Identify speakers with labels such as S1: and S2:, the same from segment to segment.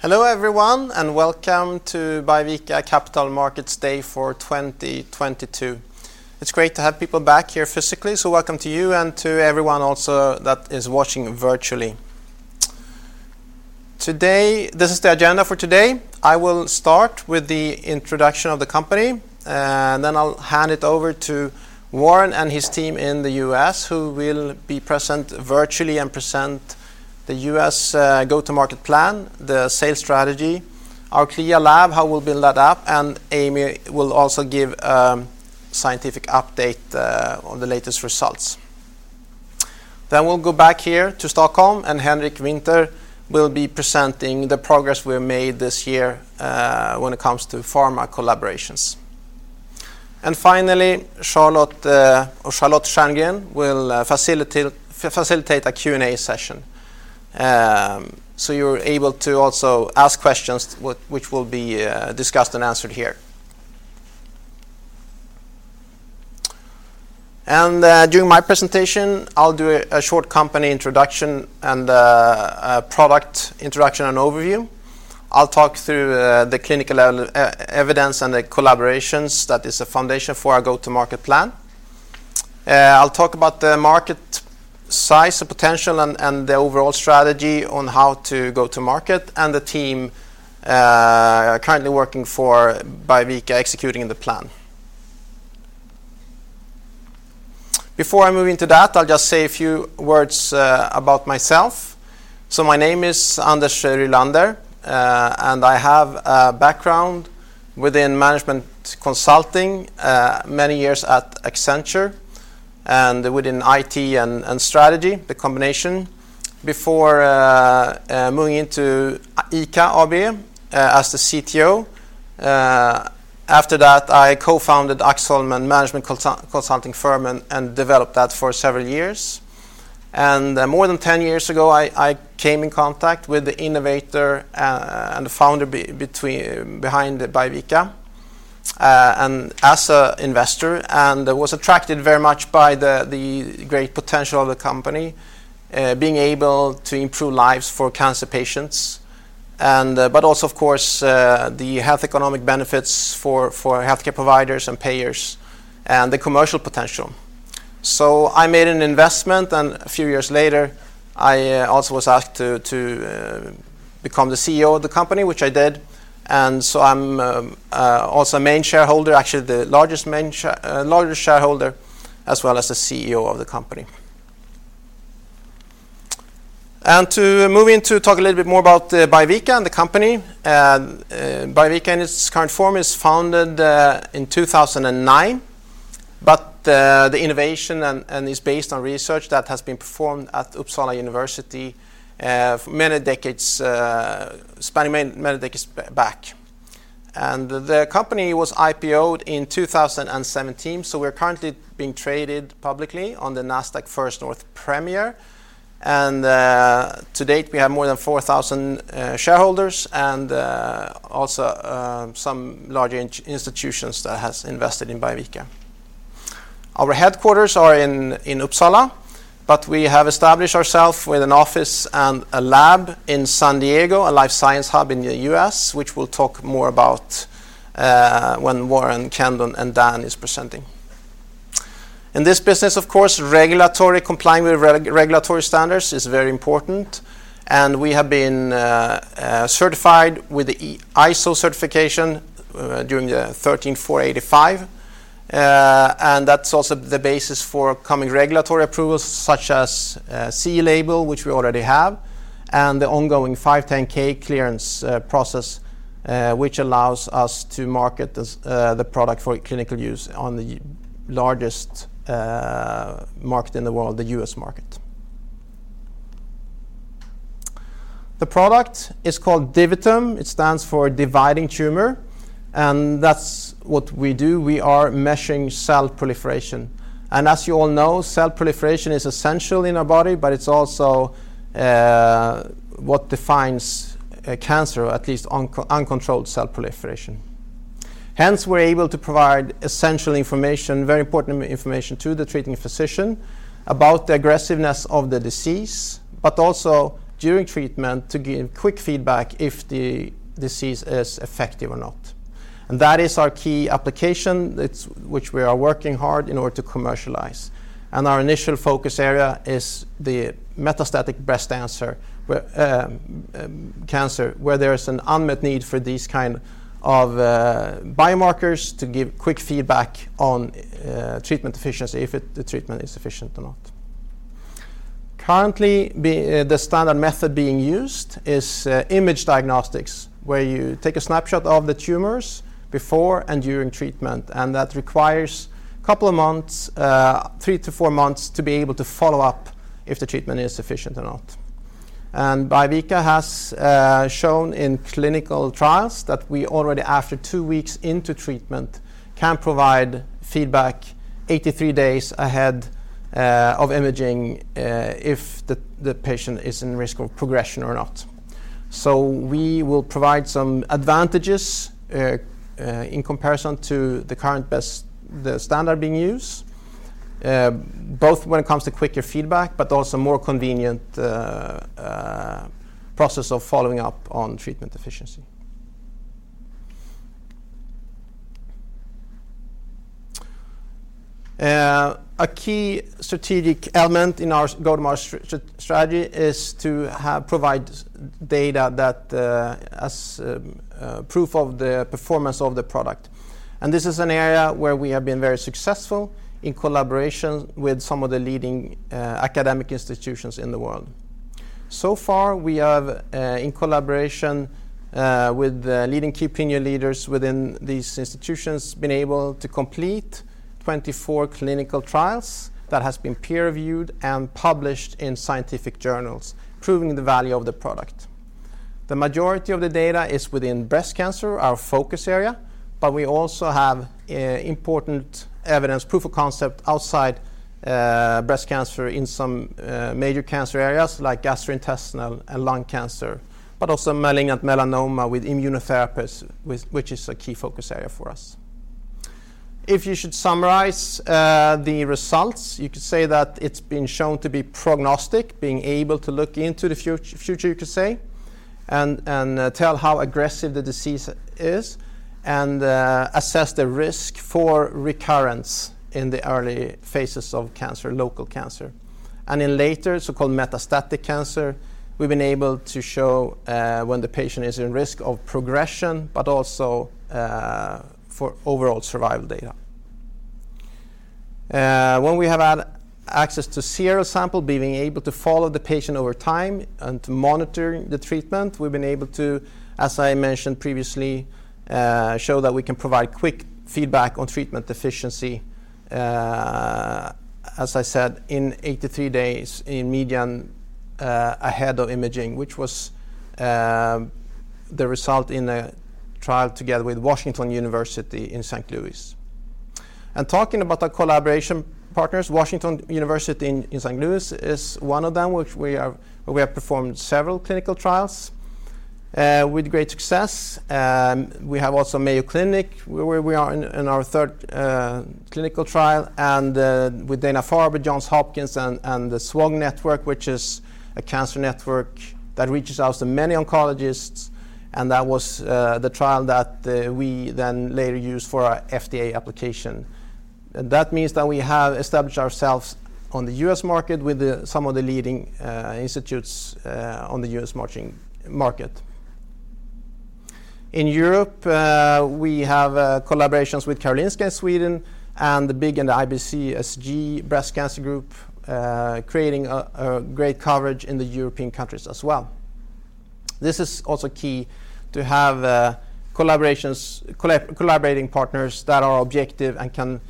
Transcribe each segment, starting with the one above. S1: Hello everyone, and welcome to Biovica Capital Markets Day for 2022. It's great to have people back here physically, so welcome to you and to everyone also that is watching virtually. Today, this is the agenda for today. I will start with the introduction of the company, and then I'll hand it over to Warren and his team in The U.S., who will be present virtually and present the US go-to-market plan, the sales strategy, our CLIA lab, how we'll build that up, and Amy will also give scientific update on the latest results. Then we'll go back here to Stockholm, and Henrik Winther will be presenting the progress we have made this year when it comes to pharma collaborations. Finally, Charlotte Kjærgaard will facilitate a Q&A session. You're able to also ask questions which will be discussed and answered here. During my presentation, I'll do a short company introduction and a product introduction and overview. I'll talk through the clinical evidence and the collaborations that is a foundation for our go-to-market plan. I'll talk about the market size, the potential and the overall strategy on how to go to market and the team currently working for Biovica executing the plan. Before I move into that, I'll just say a few words about myself. My name is Anders Rylander and I have a background within management consulting, many years at Accenture and within IT and strategy, the combination, before moving into ICA AB as the CTO. After that, I co-founded Axholmen Management Consulting firm and developed that for several years. More than 10 years ago, I came in contact with the innovator and founder behind Biovica, and as an investor, and was attracted very much by the great potential of the company, being able to improve lives for cancer patients and, but also, of course, the health economic benefits for healthcare providers and payers and the commercial potential. I made an investment, and a few years later, I also was asked to become the CEO of the company, which I did. I'm also main shareholder, actually the largest shareholder, as well as the CEO of the company. To move into talk a little bit more about Biovica and the company. Biovica in its current form is founded in 2009, but the innovation and is based on research that has been performed at Uppsala University many decades spanning many decades back. The company was IPO'd in 2017, so we're currently being traded publicly on the Nasdaq First North Premier. To date, we have more than 4,000 shareholders and also some large institutions that has invested in Biovica. Our headquarters are in Uppsala, but we have established ourselves with an office and a lab in San Diego, a life science hub in the US, which we'll talk more about when Warren, Kendon, and Dan is presenting. In this business, of course, complying with regulatory standards is very important, and we have been certified with the ISO 13485 certification. That's also the basis for coming regulatory approvals such as CE label, which we already have, and the ongoing 510(k) clearance process, which allows us to market the product for clinical use on the largest market in the world, the US market. The product is called DiviTum. It stands for Dividing Tumor, and that's what we do. We are measuring cell proliferation. As you all know, cell proliferation is essential in our body, but it's also what defines cancer, at least uncontrolled cell proliferation. Hence, we're able to provide essential information, very important information to the treating physician about the aggressiveness of the disease, but also during treatment to give quick feedback if the treatment is effective or not. That is our key application, which we are working hard in order to commercialize. Our initial focus area is the metastatic breast cancer, where there is an unmet need for these kind of biomarkers to give quick feedback on treatment efficacy, if the treatment is effective or not. Currently, the standard method being used is imaging diagnostics, where you take a snapshot of the tumors before and during treatment, and that requires a couple of months, three to four months to be able to follow up if the treatment is effective or not. Biovica has shown in clinical trials that we already, after two weeks into treatment, can provide feedback 83 days ahead of imaging if the patient is in risk of progression or not. We will provide some advantages in comparison to the current best standard being used. Both when it comes to quicker feedback, but also more convenient process of following up on treatment efficiency. A key strategic element in our go-to-market strategy is to provide data that as proof of the performance of the product. This is an area where we have been very successful in collaboration with some of the leading academic institutions in the world. So far, we have in collaboration with the leading key opinion leaders within these institutions been able to complete 24 clinical trials that has been peer-reviewed and published in scientific journals, proving the value of the product. The majority of the data is within breast cancer, our focus area, but we also have important evidence, proof of concept outside breast cancer in some major cancer areas like gastrointestinal and lung cancer, but also malignant melanoma with immunotherapies, which is a key focus area for us. If you should summarize the results, you could say that it's been shown to be prognostic, being able to look into the future, you could say, and tell how aggressive the disease is and assess the risk for recurrence in the early phases of cancer, local cancer. In later, so-called metastatic cancer, we've been able to show when the patient is in risk of progression, but also for overall survival data. When we have had access to serial sample, being able to follow the patient over time and to monitor the treatment, we've been able to, as I mentioned previously, show that we can provide quick feedback on treatment efficacy, as I said, in 83 days in median, ahead of imaging, which was the result in a trial together with Washington University in St. Louis. Talking about our collaboration partners, Washington University in St. Louis is one of them, which we have performed several clinical trials with great success. We have also Mayo Clinic, where we are in our third clinical trial and with Dana-Farber, Johns Hopkins and the SWOG Network, which is a cancer network that reaches out to many oncologists. That was the trial that we then later used for our FDA application. That means that we have established ourselves on the US market with some of the leading institutes on the US market. In Europe, we have collaborations with Karolinska Sweden and the IBCSG breast cancer group, creating a great coverage in the European countries as well. This is also key to have collaborations, collaborating partners that are objective and can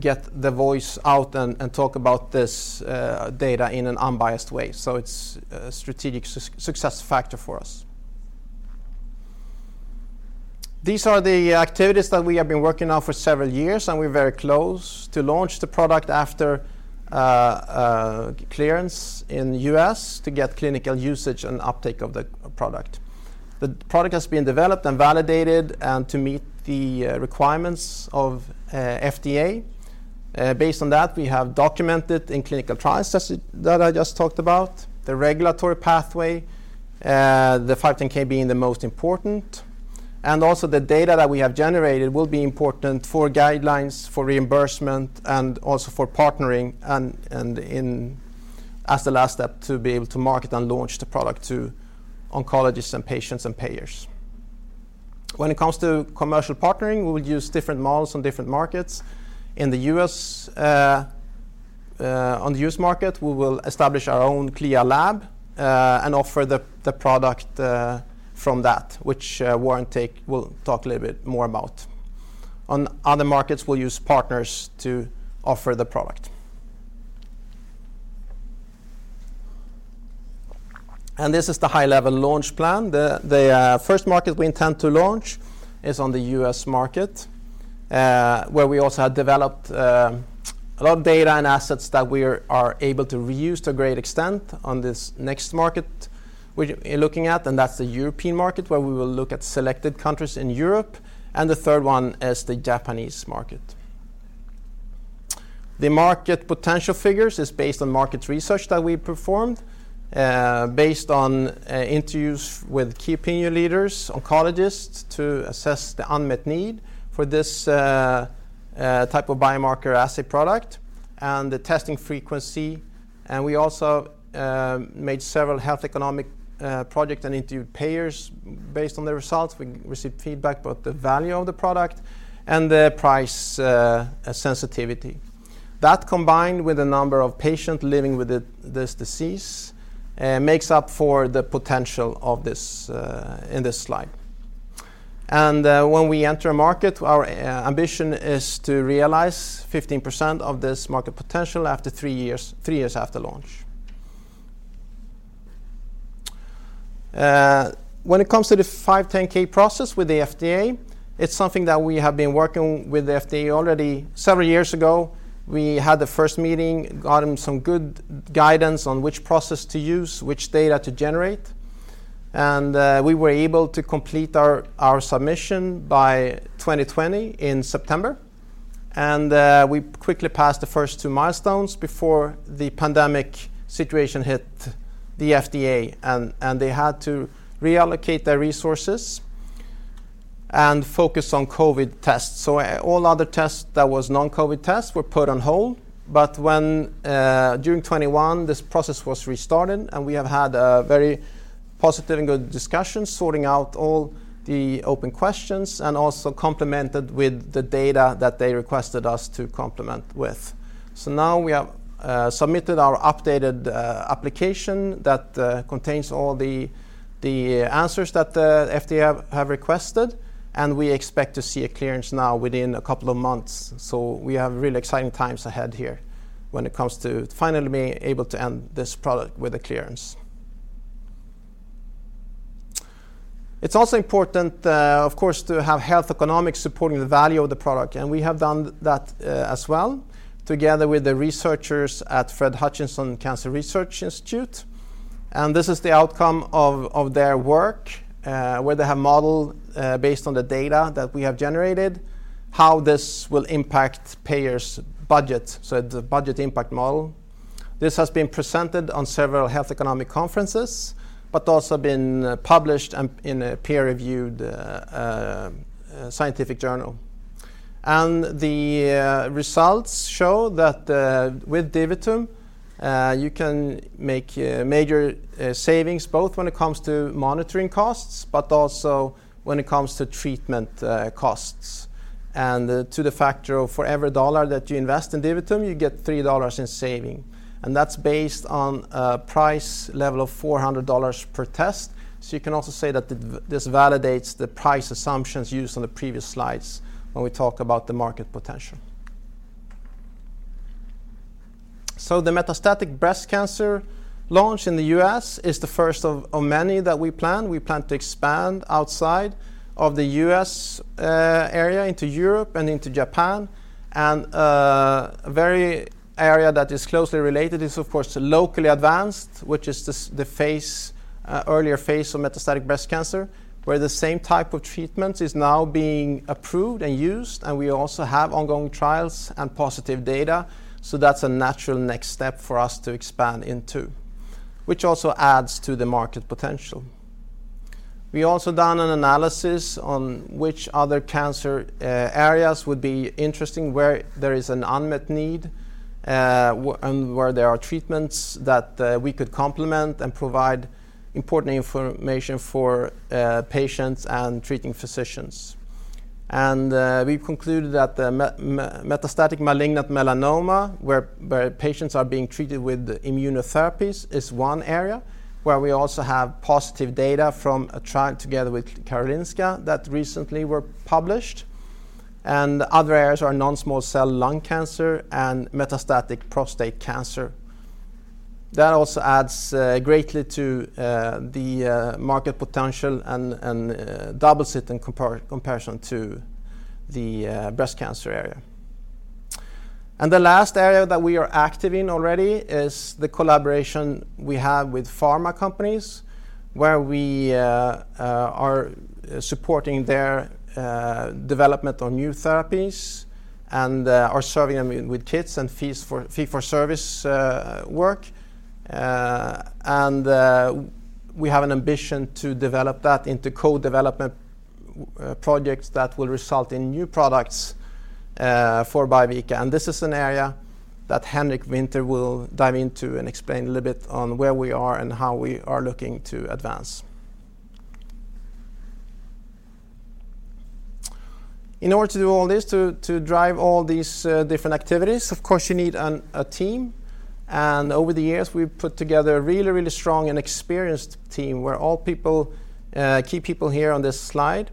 S1: get the word out and talk about this data in an unbiased way. It's a strategic success factor for us. These are the activities that we have been working on for several years, and we're very close to launch the product after clearance in U.S. to get clinical usage and uptake of the product. The product has been developed and validated to meet the requirements of FDA. Based on that, we have documented in clinical trials that I just talked about the regulatory pathway, the 510(k) being the most important. Also the data that we have generated will be important for guidelines, for reimbursement, and also for partnering and in as the last step to be able to market and launch the product to oncologists and patients and payers. When it comes to commercial partnering, we will use different models on different markets. In The U.S., on the US market, we will establish our own CLIA lab, and offer the product from that, which Warren will talk a little bit more about. On other markets, we'll use partners to offer the product. This is the high-level launch plan. The first market we intend to launch is on the US market, where we also have developed a lot of data and assets that we are able to reuse to a great extent on this next market we're looking at, and that's the European market, where we will look at selected countries in Europe, and the third one is the Japanese market. The market potential figures is based on market research that we performed, based on interviews with key opinion leaders, oncologists, to assess the unmet need for this type of biomarker assay product and the testing frequency. We also made several health economics projects and interviewed payers based on the results. We received feedback about the value of the product and the price sensitivity. That, combined with the number of patients living with this disease, makes up for the potential of this in this slide. When we enter a market, our ambition is to realize 15% of this market potential after three years after launch. When it comes to the 510(k) process with the FDA, it's something that we have been working with the FDA already. Several years ago, we had the first meeting, got them some good guidance on which process to use, which data to generate. We were able to complete our submission by September 2020. We quickly passed the first two milestones before the pandemic situation hit the FDA, and they had to reallocate their resources and focus on COVID tests. All other tests that was non-COVID tests were put on hold. When during 2021, this process was restarted, and we have had a very positive and good discussion sorting out all the open questions and also complemented with the data that they requested us to complement with. Now we have submitted our updated application that contains all the answers that the FDA have requested, and we expect to see a clearance now within a couple of months. We have really exciting times ahead here when it comes to finally being able to end this product with a clearance. It's also important, of course, to have health economics supporting the value of the product, and we have done that, as well together with the researchers at Fred Hutchinson Cancer Research Center. This is the outcome of their work where they have modeled based on the data that we have generated, how this will impact payers' budget, so the budget impact model. This has been presented on several health economic conferences, but also been published in a peer-reviewed scientific journal. The results show that with DiviTum you can make major savings both when it comes to monitoring costs but also when it comes to treatment costs. To a factor of for every dollar that you invest in DiviTum, you get three dollars in saving. That's based on a price level of $400 per test. You can also say that this validates the price assumptions used on the previous slides when we talk about the market potential. The metastatic breast cancer launch in the US is the first of many that we plan. We plan to expand outside of the US area into Europe and into Japan. A key area that is closely related is of course locally advanced, which is the phase, earlier phase of metastatic breast cancer, where the same type of treatment is now being approved and used, and we also have ongoing trials and positive data. That's a natural next step for us to expand into, which also adds to the market potential. We also done an analysis on which other cancer areas would be interesting, where there is an unmet need, and where there are treatments that we could complement and provide important information for patients and treating physicians. We've concluded that the metastatic malignant melanoma, where patients are being treated with immunotherapies, is one area where we also have positive data from a trial together with Karolinska that recently were published. Other areas are non-small cell lung cancer and metastatic prostate cancer. That also adds greatly to the market potential and doubles it in comparison to the breast cancer area. The last area that we are active in already is the collaboration we have with pharma companies, where we are supporting their development of new therapies and are serving them with kits and fees for fee-for-service work. We have an ambition to develop that into co-development projects that will result in new products for Biovica. This is an area that Henrik Winther will dive into and explain a little bit on where we are and how we are looking to advance. In order to do all this, to drive all these different activities, of course you need a team. Over the years, we've put together a really, really strong and experienced team where all people, key people here on this slide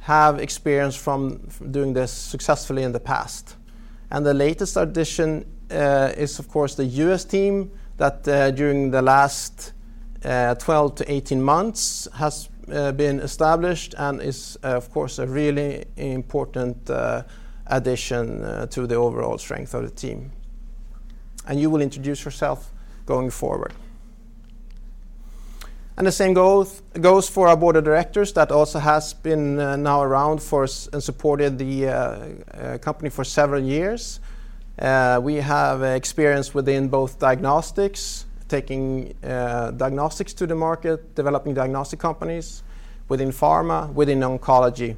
S1: have experience from doing this successfully in the past. The latest addition is of course the US team that during the last 12-18 months has been established and is of course a really important addition to the overall strength of the team. You will introduce yourself going forward. The same goal goes for our board of directors that also has been now around for several years and supported the company for several years. We have experience within both diagnostics, taking diagnostics to the market, developing diagnostic companies within pharma, within oncology.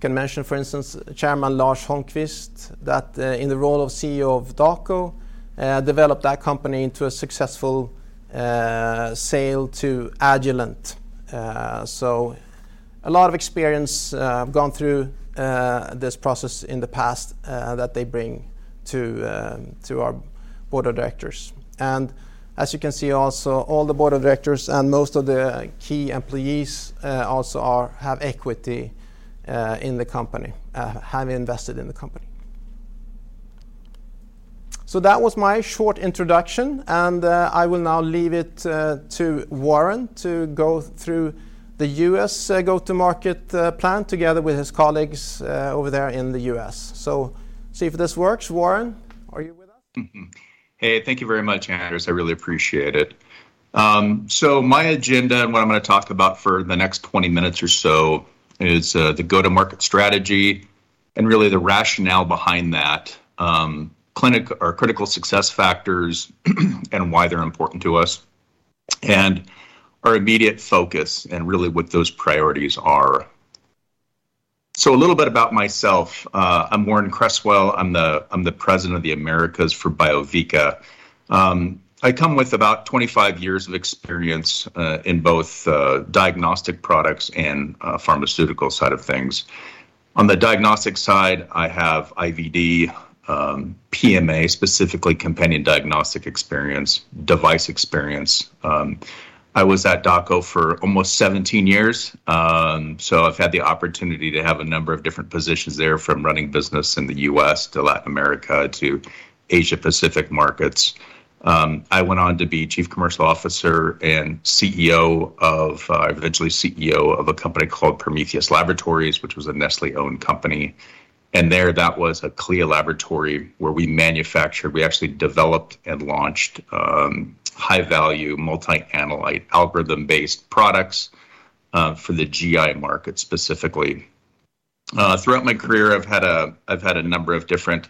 S1: can mention, for instance, Chairman Lars Holmqvist, that in the role of CEO of Dako, developed that company into a successful sale to Agilent. A lot of experience have gone through this process in the past that they bring to our board of directors. As you can see also, all the board of directors and most of the key employees also have equity in the company, have invested in the company. That was my short introduction, and I will now leave it to Warren to go through the U.S. go-to-market plan together with his colleagues over there in the U.S. See if this works. Warren, are you with us?
S2: Hey, thank you very much, Anders. I really appreciate it. My agenda and what I'm gonna talk about for the next 20 minutes or so is the go-to-market strategy and really the rationale behind that, clinical or critical success factors and why they're important to us, and our immediate focus and really what those priorities are. A little bit about myself. I'm Warren Cresswell. I'm the president of the Americas for Biovica. I come with about 25 years of experience in both diagnostic products and pharmaceutical side of things. On the diagnostic side, I have IVD, PMA, specifically companion diagnostic experience, device experience. I was at Dako for almost 17 years, so I've had the opportunity to have a number of different positions there from running business in the U.S. to Latin America to Asia-Pacific markets. I went on to be chief commercial officer and eventually CEO of a company called Prometheus Laboratories, which was a Nestlé-owned company, and there, that was a CLIA laboratory where we manufactured, we actually developed and launched, high-value multi-analyte algorithm-based products, for the GI market specifically. Throughout my career, I've had a number of different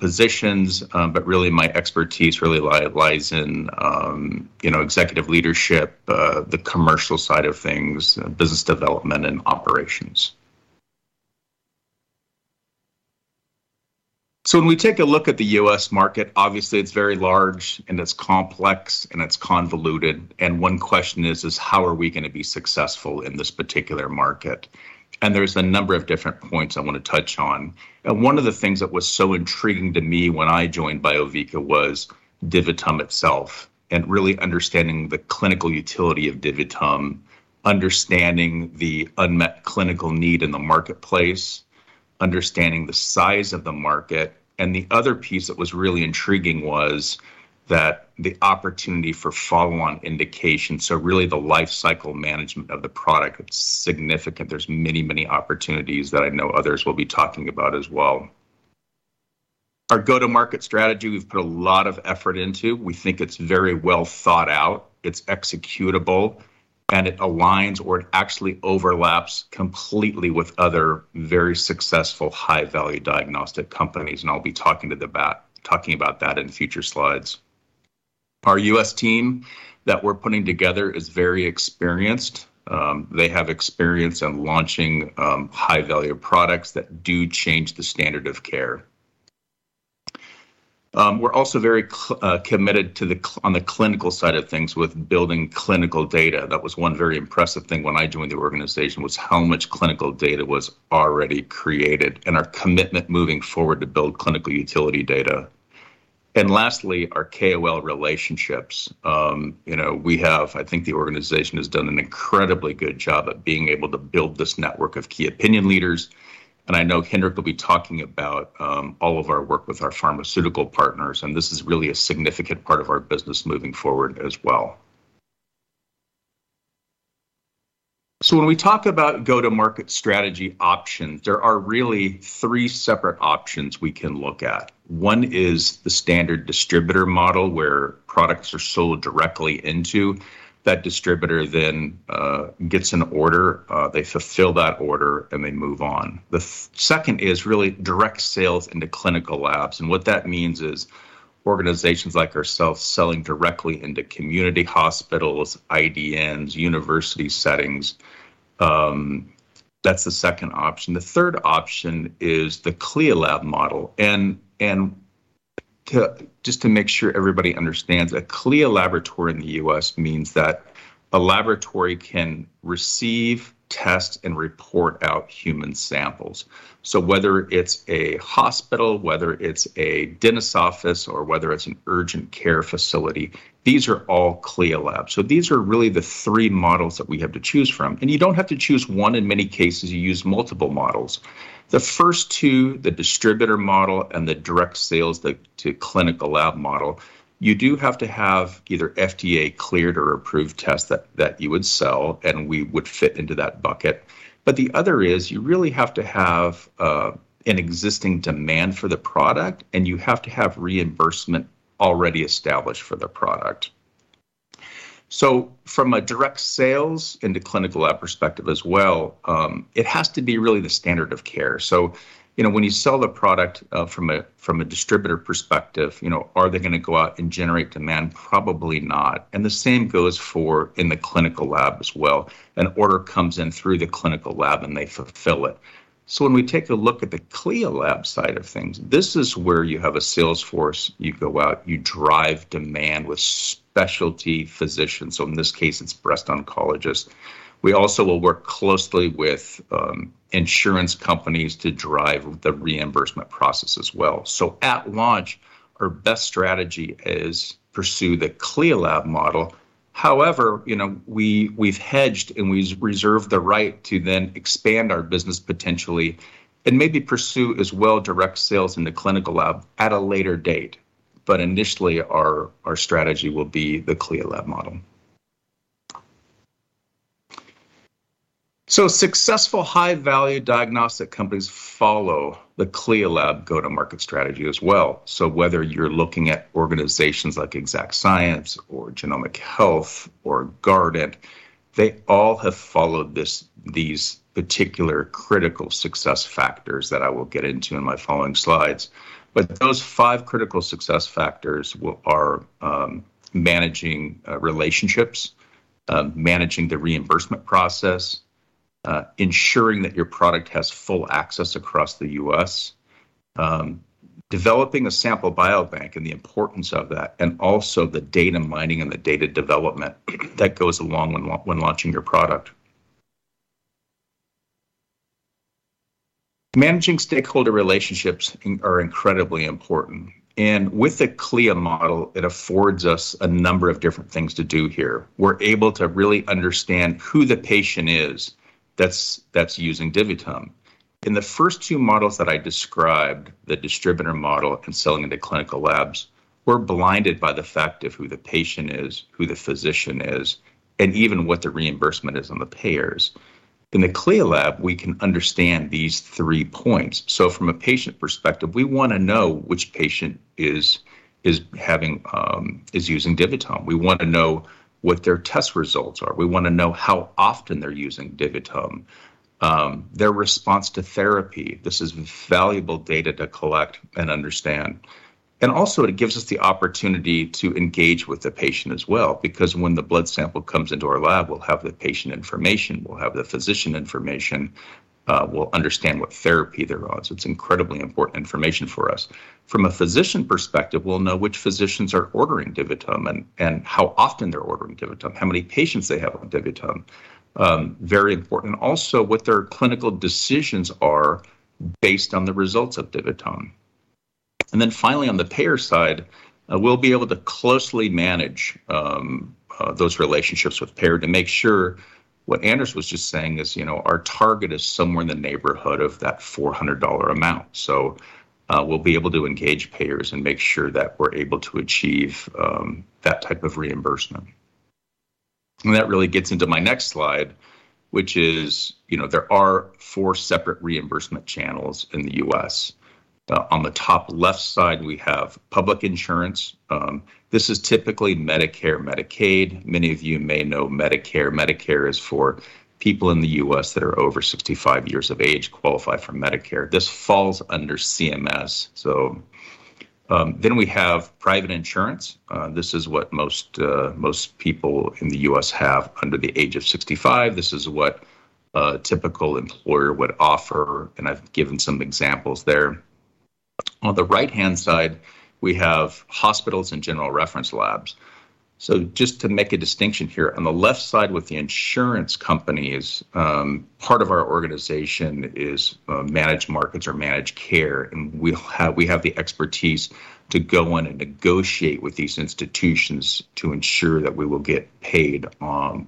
S2: positions, but really my expertise lies in, you know, executive leadership, the commercial side of things, business development and operations. When we take a look at the U.S. market, obviously it's very large, and it's complex, and it's convoluted, and one question is how are we gonna be successful in this particular market? There's a number of different points I wanna touch on. One of the things that was so intriguing to me when I joined Biovica was DiviTum itself and really understanding the clinical utility of DiviTum, understanding the unmet clinical need in the marketplace, understanding the size of the market, and the other piece that was really intriguing was that the opportunity for follow-on indication, so really the life cycle management of the product, it's significant. There's many, many opportunities that I know others will be talking about as well. Our go-to-market strategy, we've put a lot of effort into. We think it's very well thought out. It's executable, and it aligns, or it actually overlaps completely with other very successful high-value diagnostic companies, and I'll be talking about that in future slides. Our US team that we're putting together is very experienced. They have experience in launching high-value products that do change the standard of care. We're also committed to the clinical side of things with building clinical data. That was one very impressive thing when I joined the organization was how much clinical data was already created and our commitment moving forward to build clinical utility data. Lastly, our KOL relationships. You know, we have, I think the organization has done an incredibly good job at being able to build this network of key opinion leaders, and I know Henrik will be talking about all of our work with our pharmaceutical partners, and this is really a significant part of our business moving forward as well. When we talk about go-to-market strategy options, there are really three separate options we can look at. One is the standard distributor model where products are sold directly into that distributor, then gets an order, they fulfill that order, and they move on. The second is really direct sales into clinical labs, and what that means is organizations like ourselves selling directly into community hospitals, IDNs, university settings. That's the second option. The third option is the CLIA lab model, and to make sure everybody understands, a CLIA laboratory in the US means that a laboratory can receive tests and report out human samples. Whether it's a hospital, whether it's a dentist's office, or whether it's an urgent care facility, these are all CLIA labs. These are really the three models that we have to choose from, and you don't have to choose one. In many cases, you use multiple models. The first two, the distributor model and the direct sales to clinical lab model, you do have to have either FDA cleared or approved tests that you would sell, and we would fit into that bucket. The other is you really have to have an existing demand for the product, and you have to have reimbursement already established for the product. From a direct sales into clinical lab perspective as well, it has to be really the standard of care. You know, when you sell the product, from a distributor perspective, you know, are they gonna go out and generate demand? Probably not. The same goes for in the clinical lab as well. An order comes in through the clinical lab, and they fulfill it. When we take a look at the CLIA lab side of things, this is where you have a sales force. You go out, you drive demand with specialty physicians, so in this case it's breast oncologists. We also will work closely with insurance companies to drive the reimbursement process as well. At launch, our best strategy is pursue the CLIA lab model. However, you know, we've hedged, and we reserve the right to then expand our business potentially and maybe pursue as well direct sales in the clinical lab at a later date. Initially, our strategy will be the CLIA lab model. Successful high value diagnostic companies follow the CLIA lab go-to-market strategy as well. Whether you're looking at organizations like Exact Sciences or Genomic Health or Guardant Health, they all have followed these particular critical success factors that I will get into in my following slides. Those five critical success factors are managing relationships, managing the reimbursement process, ensuring that your product has full access across The U.S., developing a sample biobank and the importance of that, and also the data mining and the data development that goes along when launching your product. Managing stakeholder relationships are incredibly important, and with the CLIA model, it affords us a number of different things to do here. We're able to really understand who the patient is that's using DiviTum. In the first two models that I described, the distributor model and selling into clinical labs, we're blinded by the fact of who the patient is, who the physician is, and even what the reimbursement is on the payers. In the CLIA lab, we can understand these three points. From a patient perspective, we wanna know which patient is having is using DiviTum. We want to know what their test results are. We wanna know how often they're using DiviTum, their response to therapy. This is valuable data to collect and understand. It gives us the opportunity to engage with the patient as well because when the blood sample comes into our lab, we'll have the patient information, we'll have the physician information, we'll understand what therapy they're on. It's incredibly important information for us. From a physician perspective, we'll know which physicians are ordering DiviTum and how often they're ordering DiviTum, how many patients they have on DiviTum. Very important. Also, what their clinical decisions are based on the results of DiviTum. Finally, on the payer side, we'll be able to closely manage those relationships with payer to make sure what Anders was just saying is, you know, our target is somewhere in the neighborhood of that $400 amount. We'll be able to engage payers and make sure that we're able to achieve that type of reimbursement. That really gets into my next slide, which is, you know, there are four separate reimbursement channels in The U.S. On the top left side, we have public insurance. This is typically Medicare, Medicaid. Many of you may know Medicare. Medicare is for people in The U.S. that are over 65 years of age qualify for Medicare. This falls under CMS. We have private insurance. This is what most people in The U.S. have under the age of 65. This is what a typical employer would offer, and I've given some examples there. On the right-hand side, we have hospitals and general reference labs. Just to make a distinction here, on the left side with the insurance companies, part of our organization is managed markets or managed care, and we have the expertise to go in and negotiate with these institutions to ensure that we will get paid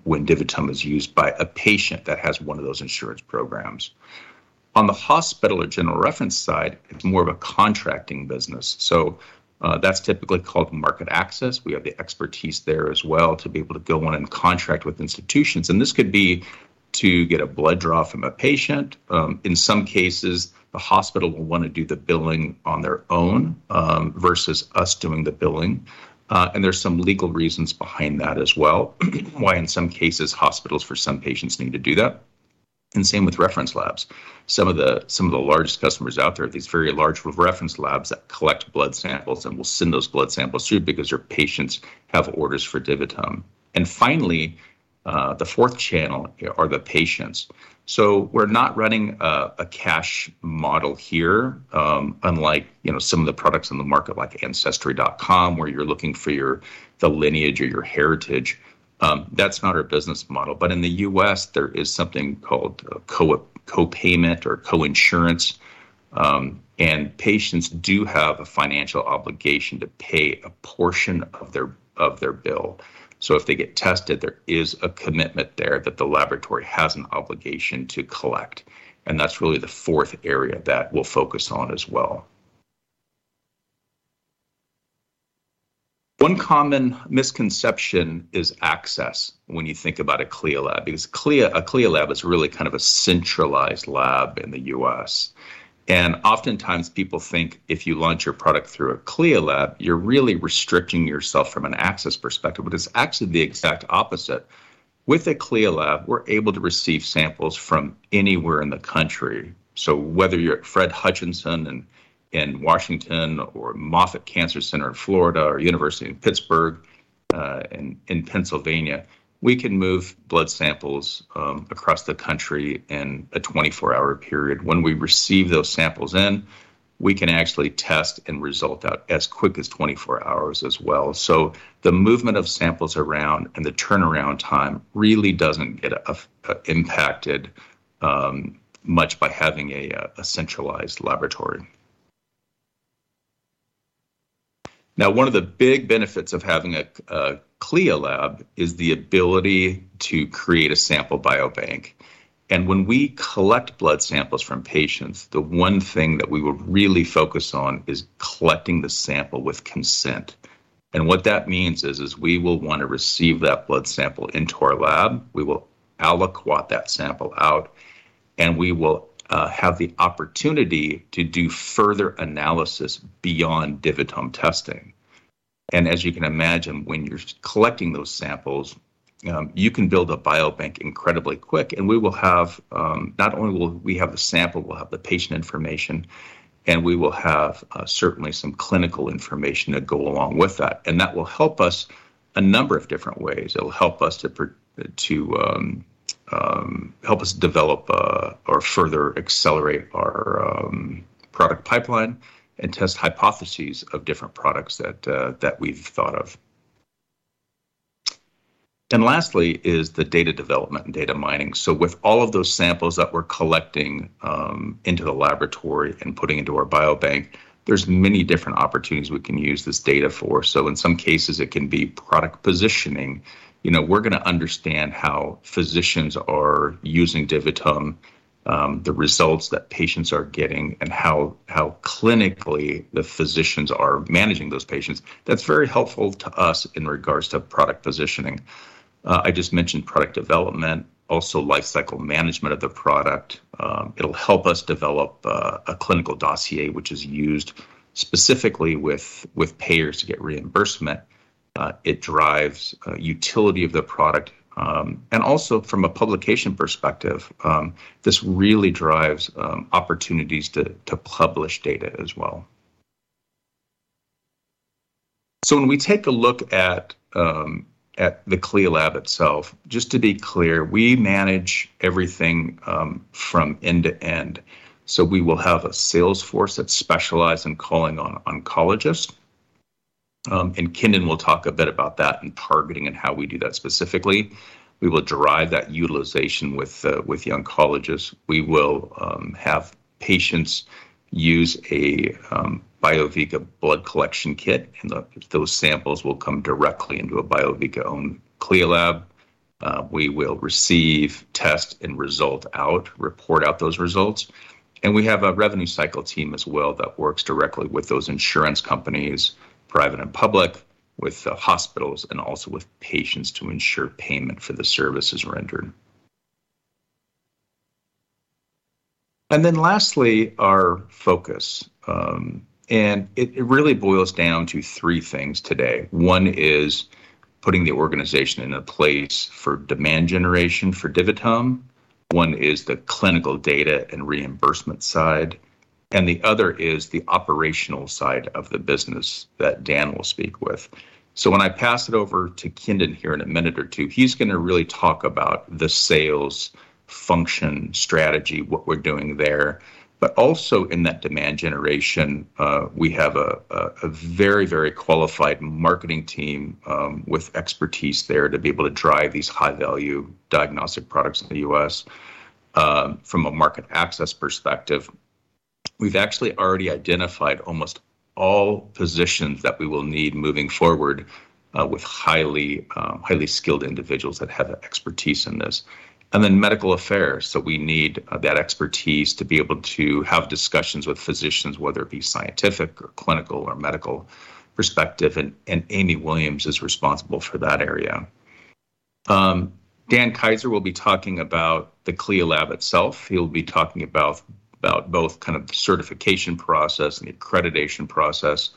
S2: when DiviTum is used by a patient that has one of those insurance programs. On the hospital or general reference side, it's more of a contracting business, so that's typically called market access. We have the expertise there as well to be able to go in and contract with institutions, and this could be to get a blood draw from a patient. In some cases, the hospital will wanna do the billing on their own versus us doing the billing. There's some legal reasons behind that as well, why in some cases, hospitals for some patients need to do that, and same with reference labs. Some of the largest customers out there are these very large reference labs that collect blood samples and will send those blood samples through because your patients have orders for DiviTum. Finally, the fourth channel are the patients. We're not running a cash model here, unlike, you know, some of the products on the market like Ancestry.com, where you're looking for the lineage or your heritage. That's not our business model. In the US, there is something called co-payment or co-insurance, and patients do have a financial obligation to pay a portion of their bill. If they get tested, there is a commitment there that the laboratory has an obligation to collect, and that's really the fourth area that we'll focus on as well. One common misconception is access when you think about a CLIA lab, because CLIA, a CLIA lab is really kind of a centralized lab in The U.S., and oftentimes people think if you launch your product through a CLIA lab, you're really restricting yourself from an access perspective, but it's actually the exact opposite. With a CLIA lab, we're able to receive samples from anywhere in the country. Whether you're at Fred Hutchinson Cancer Center in Washington or Moffitt Cancer Center in Florida or University of Pittsburgh in Pennsylvania, we can move blood samples across the country in a 24-hour period. When we receive those samples in, we can actually test and result out as quick as 24 hours as well. The movement of samples around and the turnaround time really doesn't get impacted much by having a centralized laboratory. Now one of the big benefits of having a CLIA lab is the ability to create a sample biobank, and when we collect blood samples from patients, the one thing that we will really focus on is collecting the sample with consent. What that means is we will wanna receive that blood sample into our lab, we will aliquot that sample out, and we will have the opportunity to do further analysis beyond DiviTum testing. As you can imagine, when you're collecting those samples, you can build a biobank incredibly quick, and we will have, not only will we have the sample, we'll have the patient information, and we will have, certainly some clinical information to go along with that. That will help us a number of different ways. It'll help us help us develop, or further accelerate our, product pipeline and test hypotheses of different products that we've thought of. Lastly is the data development and data mining. With all of those samples that we're collecting, into the laboratory and putting into our biobank, there's many different opportunities we can use this data for. In some cases, it can be product positioning. You know, we're gonna understand how physicians are using DiviTum, the results that patients are getting, and how clinically the physicians are managing those patients. That's very helpful to us in regards to product positioning. I just mentioned product development, also life cycle management of the product. It'll help us develop a clinical dossier, which is used specifically with payers to get reimbursement. It drives utility of the product, and also from a publication perspective, this really drives opportunities to publish data as well. When we take a look at the CLIA lab itself, just to be clear, we manage everything from end to end. We will have a sales force that specialize in calling on oncologists, and Kendon will talk a bit about that and targeting and how we do that specifically. We will derive that utilization with the oncologists. We will have patients use a Biovica blood collection kit, and those samples will come directly into a Biovica-owned CLIA lab. We will receive tests and report out those results. We have a revenue cycle team as well that works directly with those insurance companies, private and public, with hospitals, and also with patients to ensure payment for the services rendered. Lastly, our focus. It really boils down to three things today. One is putting the organization in a place for demand generation for DiviTum, one is the clinical data and reimbursement side, and the other is the operational side of the business that Dan will speak with. When I pass it over to Warren here in a minute or two, he's gonna really talk about the sales function strategy, what we're doing there. Also in that demand generation, we have a very qualified marketing team with expertise there to be able to drive these high-value diagnostic products in The U.S. From a market access perspective, we've actually already identified almost all positions that we will need moving forward with highly skilled individuals that have expertise in this. Medical affairs, so we need that expertise to be able to have discussions with physicians, whether it be scientific or clinical or medical perspective, and Amy Williams is responsible for that area. Dan Kaiser will be talking about the CLIA lab itself. He'll be talking about both kind of the certification process and accreditation process,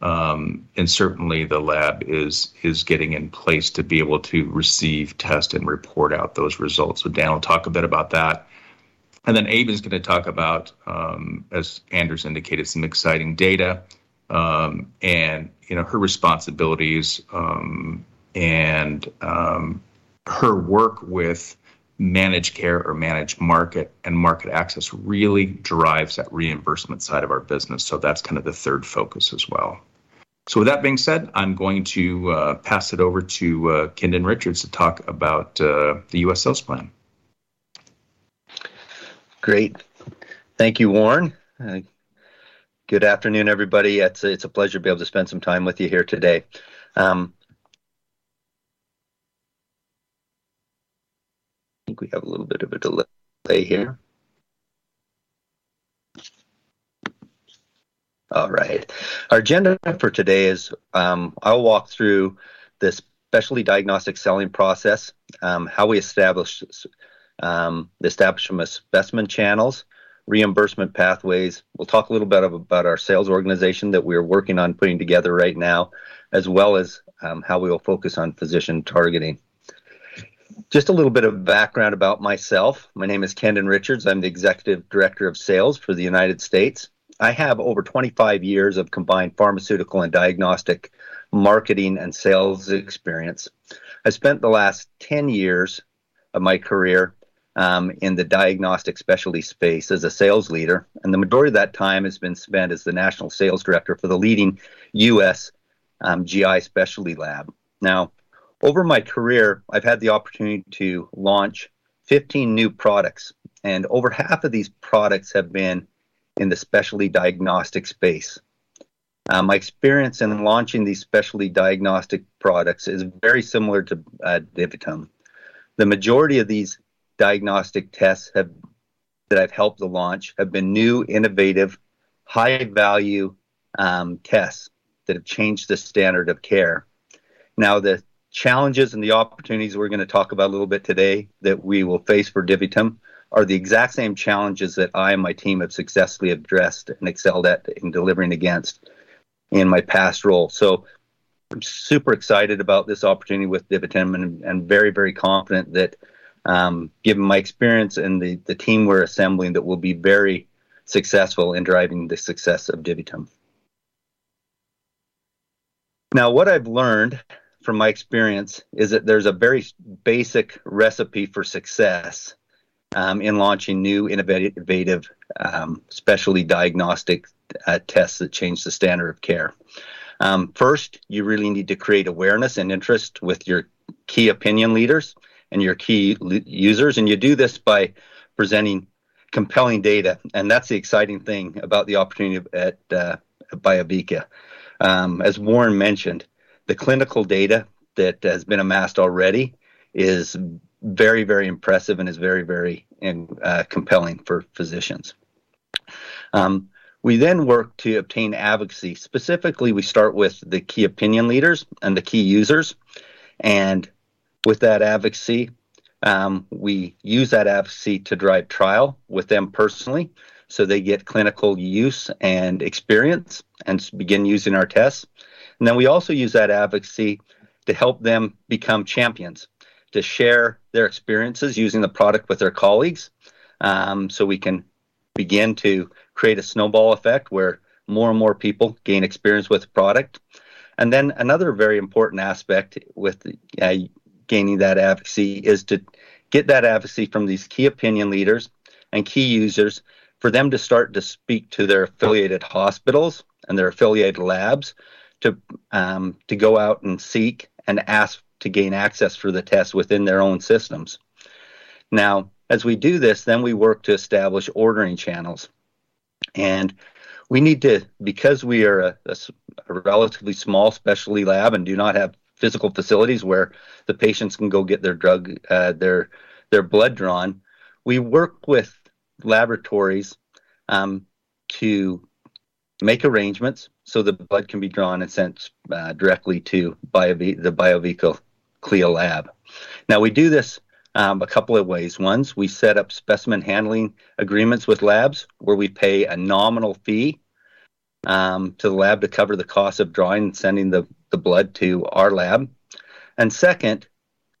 S2: and certainly the lab is getting in place to be able to receive, test, and report out those results. Dan will talk a bit about that. Amy is gonna talk about, as Anders indicated, some exciting data, and, you know, her responsibilities, and her work with managed care or managed market and market access really drives that reimbursement side of our business, so that's kind of the third focus as well. With that being said, I'm going to pass it over to Kendon Richards to talk about The U.S. sales plan.
S3: Great. Thank you, Warren. Good afternoon, everybody. It's a pleasure to be able to spend some time with you here today. I think we have a little bit of a delay here. All right. Our agenda for today is, I'll walk through the specialty diagnostic selling process, how we establish specimen channels, reimbursement pathways. We'll talk a little bit about our sales organization that we're working on putting together right now, as well as, how we will focus on physician targeting. Just a little bit of background about myself. My name is Kendon Richards. I'm the executive director of sales for the United States. I have over 25 years of combined pharmaceutical and diagnostic marketing and sales experience. I spent the last 10 years of my career in the diagnostic specialty space as a sales leader, and the majority of that time has been spent as the national sales director for the leading US GI specialty lab. Now, over my career, I've had the opportunity to launch 15 new products, and over half of these products have been in the specialty diagnostic space. My experience in launching these specialty diagnostic products is very similar to DiviTum. The majority of these diagnostic tests that I've helped to launch have been new, innovative, high-value tests that have changed the standard of care. Now, the challenges and the opportunities we're going to talk about a little bit today that we will face for DiviTum are the exact same challenges that I and my team have successfully addressed and excelled at in delivering against in my past role. I'm super excited about this opportunity with DiviTum and very, very confident that, given my experience and the team we're assembling, that we'll be very successful in driving the success of DiviTum. Now, what I've learned from my experience is that there's a very basic recipe for success in launching new innovative specialty diagnostic tests that change the standard of care. First, you really need to create awareness and interest with your key opinion leaders and your key users, and you do this by presenting compelling data, and that's the exciting thing about the opportunity at Biovica. As Warren mentioned, the clinical data that has been amassed already is very impressive and is very compelling for physicians. We then work to obtain advocacy. Specifically, we start with the key opinion leaders and the key users, and with that advocacy, we use that advocacy to drive trial with them personally so they get clinical use and experience and begin using our tests. We also use that advocacy to help them become champions, to share their experiences using the product with their colleagues, so we can begin to create a snowball effect where more and more people gain experience with the product. Another very important aspect with gaining that advocacy is to get that advocacy from these key opinion leaders and key users for them to start to speak to their affiliated hospitals and their affiliated labs to go out and seek and ask to gain access for the tests within their own systems. Now, as we do this, then we work to establish ordering channels, and we need to. Because we are a relatively small specialty lab and do not have physical facilities where the patients can go get their blood drawn, we work with laboratories to make arrangements so the blood can be drawn and sent directly to the Biovica CLIA lab. Now, we do this a couple of ways. One, we set up specimen handling agreements with labs where we pay a nominal fee to the lab to cover the cost of drawing and sending the blood to our lab and second,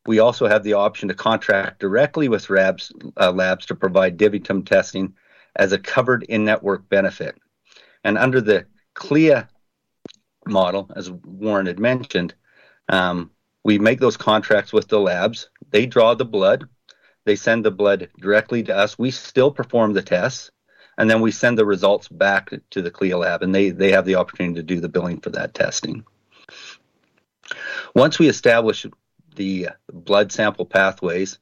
S3: we also have the option to contract directly with labs to provide DiviTum testing as a covered in-network benefit. Under the CLIA model, as Warren had mentioned, we make those contracts with the labs. They draw the blood. They send the blood directly to us. We still perform the tests, and then we send the results back to the CLIA lab, and they have the opportunity to do the billing for that testing. Once we establish the blood sample pathways,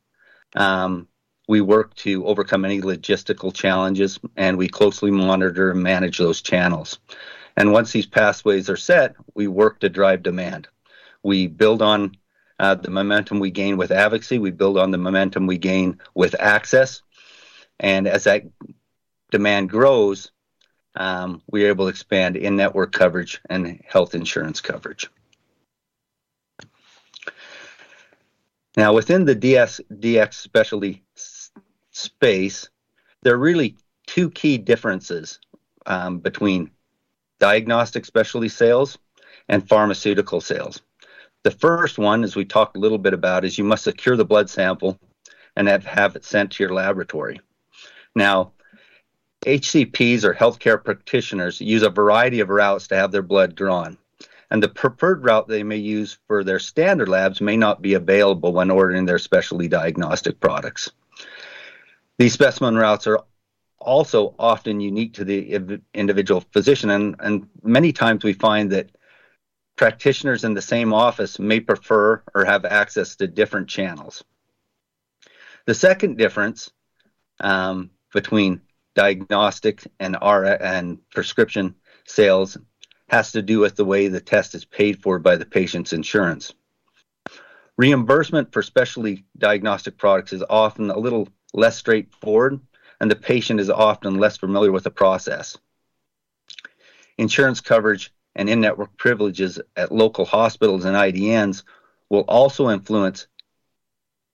S3: we work to overcome any logistical challenges, and we closely monitor and manage those channels. Once these pathways are set, we work to drive demand. We build on the momentum we gain with advocacy. We build on the momentum we gain with access, and as that demand grows, we're able to expand in-network coverage and health insurance coverage. Now, within the Dx specialty space, there are really two key differences between diagnostic specialty sales and pharmaceutical sales. The first one, as we talked a little bit about, is you must secure the blood sample and have it sent to your laboratory. Now, HCPs or healthcare practitioners use a variety of routes to have their blood drawn, and the preferred route they may use for their standard labs may not be available when ordering their specialty diagnostic products. These specimen routes are also often unique to the individual physician, and many times we find that practitioners in the same office may prefer or have access to different channels. The second difference between diagnostic and prescription sales has to do with the way the test is paid for by the patient's insurance. Reimbursement for specialty diagnostic products is often a little less straightforward, and the patient is often less familiar with the process. Insurance coverage and in-network privileges at local hospitals and IDNs will also influence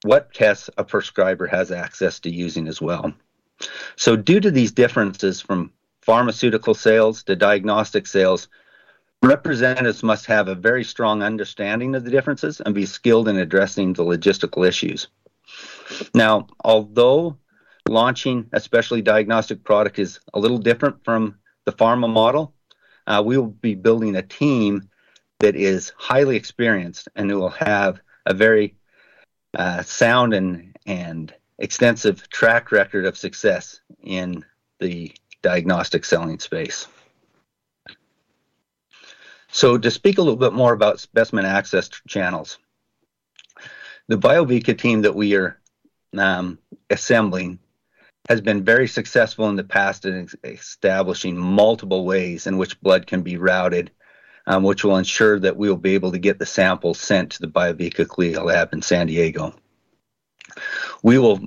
S3: what tests a prescriber has access to using as well. Due to these differences from pharmaceutical sales to diagnostic sales, representatives must have a very strong understanding of the differences and be skilled in addressing the logistical issues. Now, although launching a specialty diagnostic product is a little different from the pharma model, we will be building a team that is highly experienced and that will have a very sound and extensive track record of success in the diagnostic selling space. To speak a little bit more about specimen access channels, the Biovica team that we are assembling has been very successful in the past in establishing multiple ways in which blood can be routed, which will ensure that we will be able to get the samples sent to the Biovica CLIA lab in San Diego. We will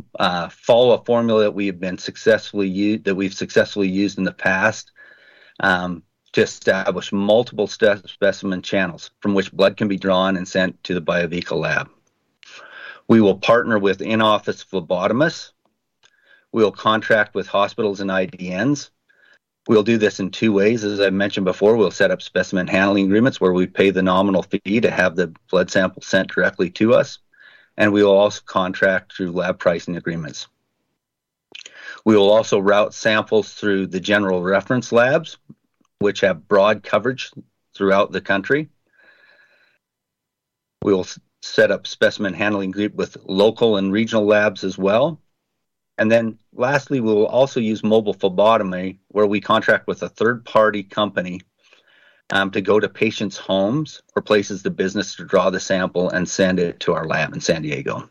S3: follow a formula that we've successfully used in the past to establish multiple specimen channels from which blood can be drawn and sent to the Biovica lab. We will partner with in-office phlebotomists. We'll contract with hospitals and IDNs. We'll do this in two ways. As I mentioned before, we'll set up specimen handling agreements where we pay the nominal fee to have the blood sample sent directly to us, and we will also contract through lab pricing agreements. We will also route samples through the general reference labs, which have broad coverage throughout the country. We'll set up specimen handling agreements with local and regional labs as well. Lastly, we will also use mobile phlebotomy, where we contract with a third-party company to go to patients' homes or places of business to draw the sample and send it to our lab in San Diego.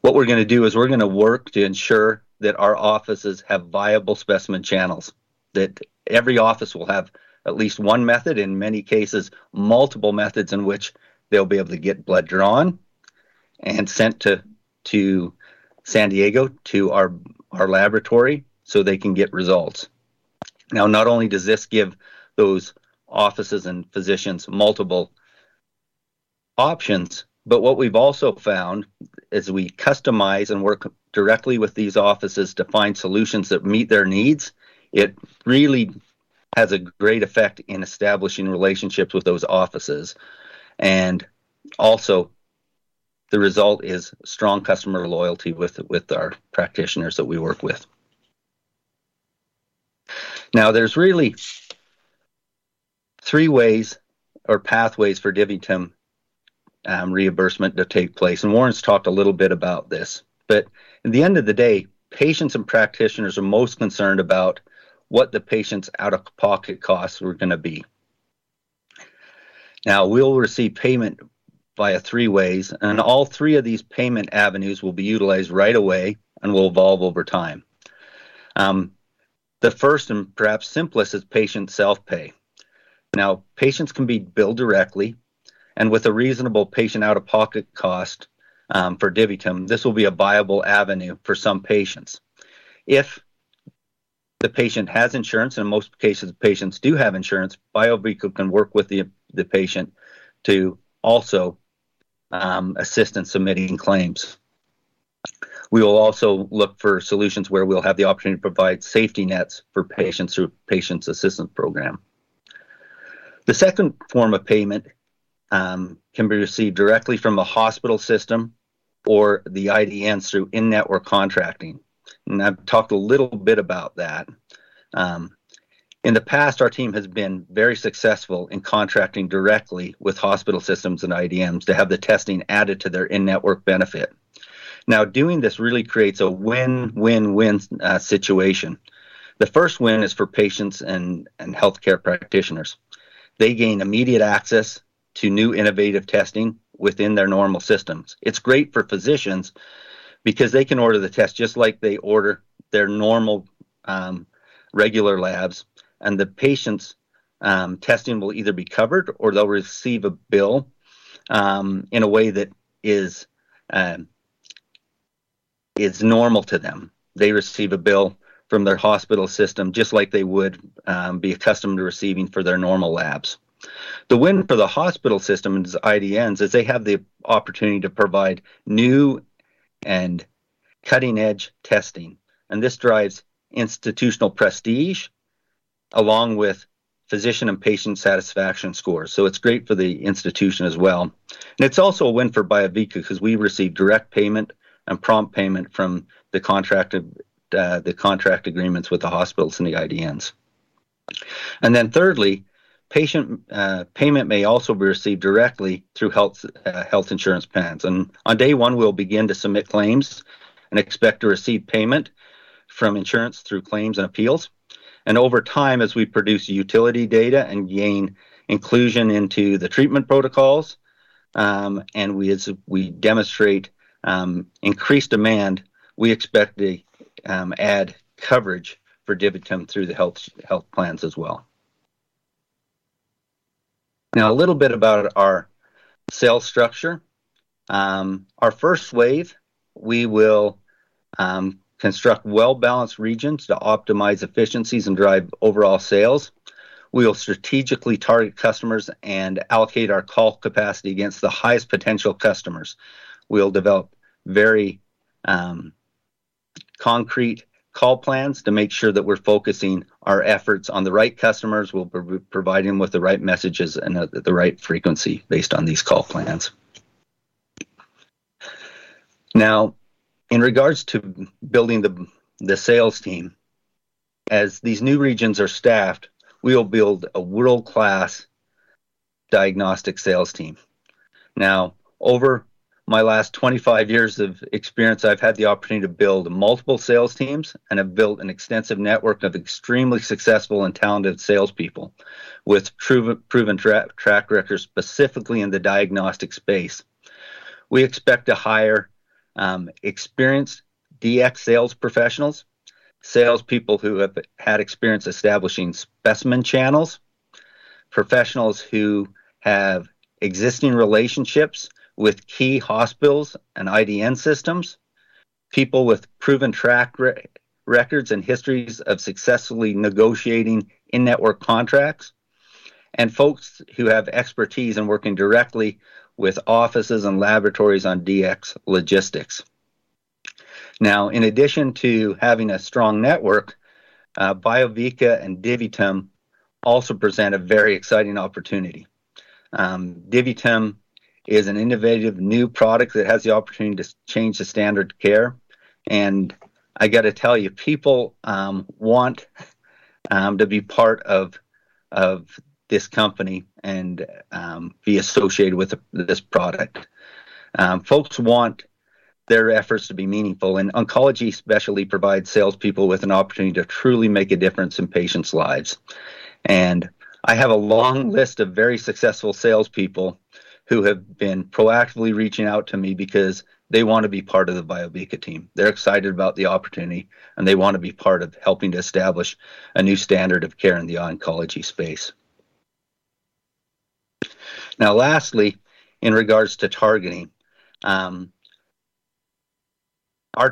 S3: What we're gonna do is we're gonna work to ensure that our offices have viable specimen channels, that every office will have at least one method, in many cases, multiple methods in which they'll be able to get blood drawn and sent to San Diego to our laboratory, so they can get results. Now, not only does this give those offices and physicians multiple options, but what we've also found as we customize and work directly with these offices to find solutions that meet their needs, it really has a great effect in establishing relationships with those offices. Also, the result is strong customer loyalty with our practitioners that we work with. Now, there's really three ways or pathways for DiviTum reimbursement to take place, and Warren's talked a little bit about this. At the end of the day, patients and practitioners are most concerned about what the patient's out-of-pocket costs are gonna be. Now, we'll receive payment via three ways, and all three of these payment avenues will be utilized right away and will evolve over time. The first and perhaps simplest is patient self-pay. Now, patients can be billed directly, and with a reasonable patient out-of-pocket cost for DiviTum, this will be a viable avenue for some patients. If the patient has insurance, in most cases, patients do have insurance, Biovica can work with the patient to also assist in submitting claims. We will also look for solutions where we'll have the opportunity to provide safety nets for patients through patients' assistance program. The second form of payment can be received directly from the hospital system or the IDN through in-network contracting. I've talked a little bit about that. In the past, our team has been very successful in contracting directly with hospital systems and IDNs to have the testing added to their in-network benefit. Now, doing this really creates a win-win-win situation. The first win is for patients and healthcare practitioners. They gain immediate access to new innovative testing within their normal systems. It's great for physicians because they can order the test just like they order their normal, regular labs, and the patient's testing will either be covered or they'll receive a bill in a way that is normal to them. They receive a bill from their hospital system just like they would be accustomed to receiving for their normal labs. The win for the hospital system and IDNs is they have the opportunity to provide new and cutting-edge testing, and this drives institutional prestige along with physician and patient satisfaction scores. It's great for the institution as well. It's also a win for Biovica because we receive direct payment and prompt payment from the contract, the contract agreements with the hospitals and the IDNs. Thirdly, patient payment may also be received directly through health insurance plans. On day one, we'll begin to submit claims and expect to receive payment from insurance through claims and appeals. Over time, as we produce utility data and gain inclusion into the treatment protocols, and we demonstrate increased demand, we expect added coverage for DiviTum through the health plans as well. Now, a little bit about our sales structure. Our first wave, we will construct well-balanced regions to optimize efficiencies and drive overall sales. We will strategically target customers and allocate our call capacity against the highest potential customers. We'll develop very concrete call plans to make sure that we're focusing our efforts on the right customers. We'll provide them with the right messages and at the right frequency based on these call plans. Now, in regards to building the sales team, as these new regions are staffed, we will build a world-class diagnostic sales team. Now, over my last 25 years of experience, I've had the opportunity to build multiple sales teams and have built an extensive network of extremely successful and talented salespeople with proven track records specifically in the diagnostic space. We expect to hire experienced DX sales professionals, salespeople who have had experience establishing specimen channels, professionals who have existing relationships with key hospitals and IDN systems, people with proven track records and histories of successfully negotiating in-network contracts, and folks who have expertise in working directly with offices and laboratories on DX logistics. Now, in addition to having a strong network, Biovica and DiviTum also present a very exciting opportunity. DiviTum is an innovative new product that has the opportunity to change the standard of care, and I got to tell you, people want to be part of this company and be associated with this product. Folks want their efforts to be meaningful, and oncology especially provides salespeople with an opportunity to truly make a difference in patients' lives. I have a long list of very successful salespeople who have been proactively reaching out to me because they want to be part of the Biovica team. They're excited about the opportunity, and they want to be part of helping to establish a new standard of care in the oncology space. Now lastly, in regards to targeting, our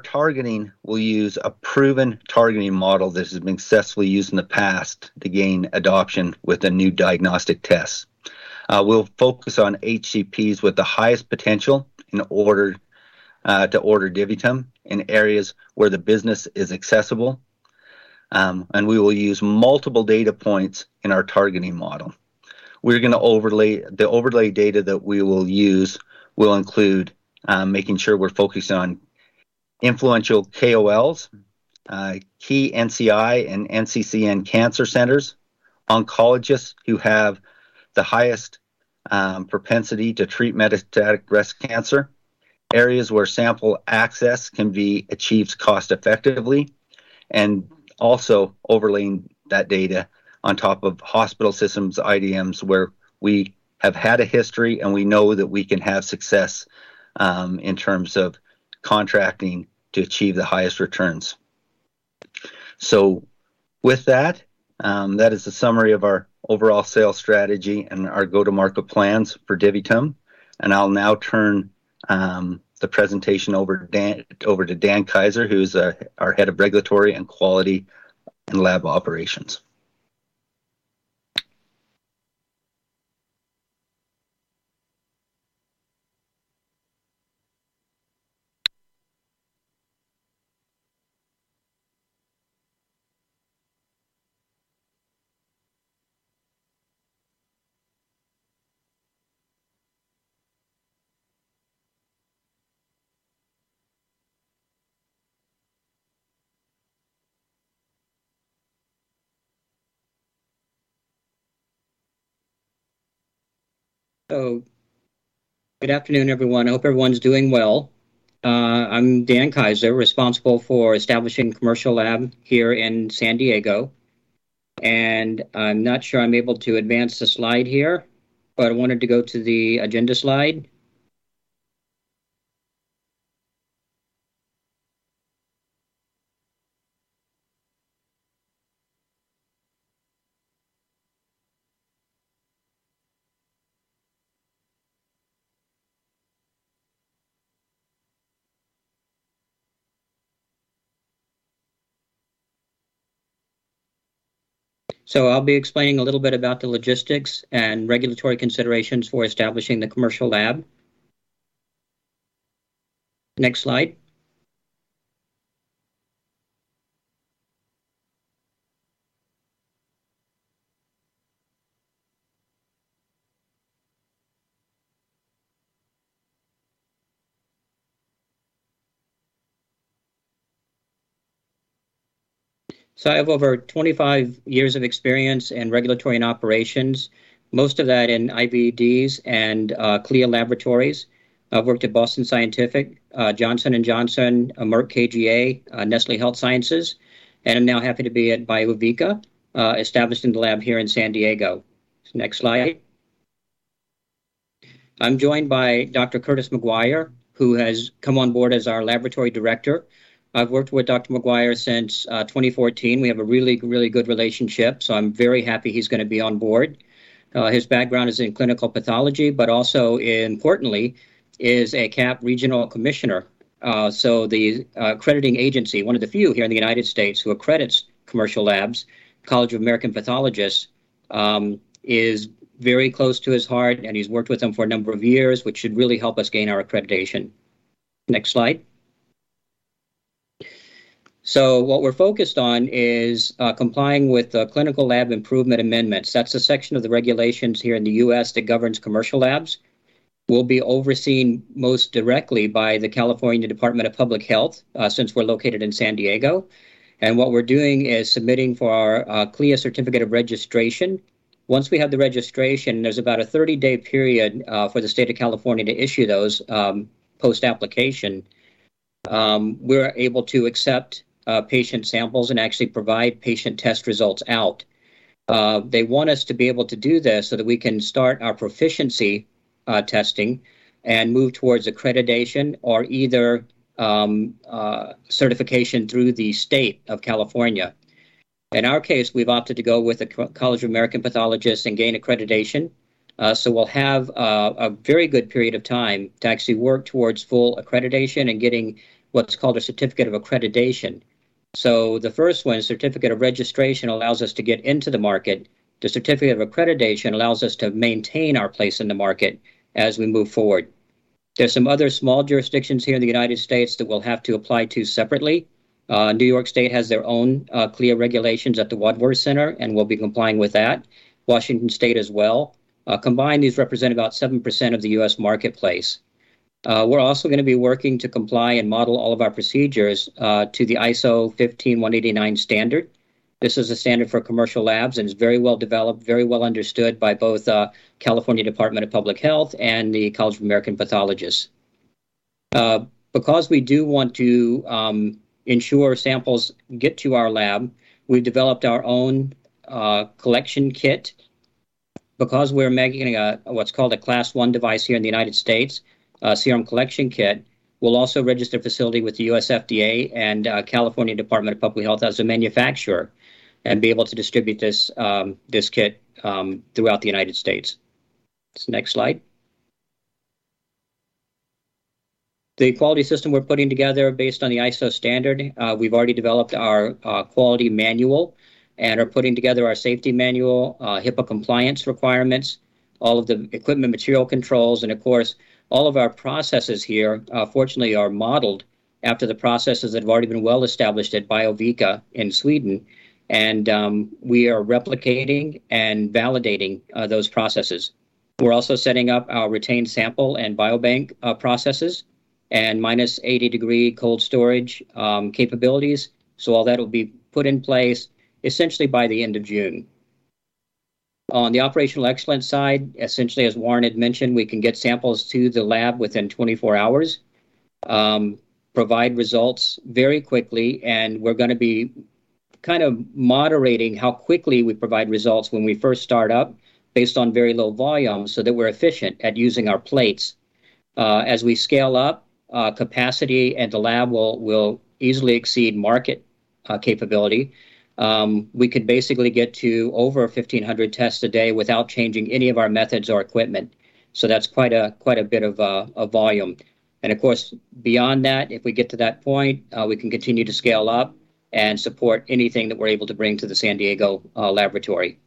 S3: targeting will use a proven targeting model that has been successfully used in the past to gain adoption with the new diagnostic tests. We'll focus on HCPs with the highest potential in order to order DiviTum in areas where the business is accessible, and we will use multiple data points in our targeting model. The overlay data that we will use will include making sure we're focused on influential KOLs, key NCI and NCCN cancer centers, oncologists who have the highest propensity to treat metastatic breast cancer, areas where sample access can be achieved cost-effectively, and also overlaying that data on top of hospital systems, IDNs, where we have had a history and we know that we can have success in terms of contracting to achieve the highest returns. With that is the summary of our overall sales strategy and our go-to-market plans for DiviTum. I'll now turn the presentation over to Dan Kaiser, who's our Head of Regulatory and Quality and Lab Operations.
S4: Good afternoon, everyone. I hope everyone's doing well. I'm Dan Kaiser, responsible for establishing the commercial lab here in San Diego, and I'm not sure I'm able to advance the slide here, but I wanted to go to the agenda slide. I'll be explaining a little bit about the logistics and regulatory considerations for establishing the commercial lab. Next slide. I have over 25 years of experience in regulatory and operations, most of that in IVDs and CLIA laboratories. I've worked at Boston Scientific, Johnson & Johnson, Merck KGaA, Nestlé Health Science, and I'm now happy to be at Biovica, establishing the lab here in San Diego. Next slide. I'm joined by Dr. Curtis McGuire, who has come on board as our laboratory director. I've worked with Dr. McGuire since 2014. We have a really good relationship, so I'm very happy he's gonna be on board. His background is in clinical pathology, but also importantly is a CAP regional commissioner. The accrediting agency, one of the few here in the United States who accredits commercial labs, College of American Pathologists, is very close to his heart, and he's worked with them for a number of years, which should really help us gain our accreditation. Next slide. What we're focused on is complying with the Clinical Laboratory Improvement Amendments. That's a section of the regulations here in The U.S. that governs commercial labs. We'll be overseen most directly by the California Department of Public Health, since we're located in San Diego, and what we're doing is submitting for our CLIA certificate of registration. Once we have the registration, there's about a 30-day period for the state of California to issue those post-application. We're able to accept patient samples and actually provide patient test results out. They want us to be able to do this so that we can start our proficiency testing and move towards accreditation or certification through the state of California. In our case, we've opted to go with the College of American Pathologists and gain accreditation. We'll have a very good period of time to actually work towards full accreditation and getting what's called a certificate of accreditation. The first one, certificate of registration, allows us to get into the market. The certificate of accreditation allows us to maintain our place in the market as we move forward. There's some other small jurisdictions here in the United States that we'll have to apply to separately. New York State has their own, CLIA regulations at the Wadsworth Center, and we'll be complying with that. Washington State as well. Combined, these represent about 7% of the U.S. marketplace. We're also gonna be working to comply and model all of our procedures to the ISO 15189 standard. This is a standard for commercial labs and is very well developed, very well understood by both, California Department of Public Health and the College of American Pathologists. Because we do want to ensure samples get to our lab, we've developed our own, collection kit. Because we're making what's called a Class I device here in the United States, serum collection kit, we'll also register the facility with the U.S. FDA and California Department of Public Health as a manufacturer and be able to distribute this kit throughout the United States. Next slide. The quality system we're putting together based on the ISO standard, we've already developed our quality manual and are putting together our safety manual, HIPAA compliance requirements, all of the equipment material controls. Of course, all of our processes here fortunately are modeled after the processes that have already been well established at Biovica in Sweden. We are replicating and validating those processes. We're also setting up our retained sample and biobank processes and minus 80-degree cold storage capabilities. All that'll be put in place essentially by the end of June. On the operational excellence side, essentially, as Warren had mentioned, we can get samples to the lab within 24 hours, provide results very quickly, and we're gonna be kind of moderating how quickly we provide results when we first start up based on very low volume so that we're efficient at using our plates. As we scale up, capacity at the lab will easily exceed market capability. We could basically get to over 1,500 tests a day without changing any of our methods or equipment. That's quite a bit of volume. Of course, beyond that, if we get to that point, we can continue to scale up and support anything that we're able to bring to the San Diego laboratory.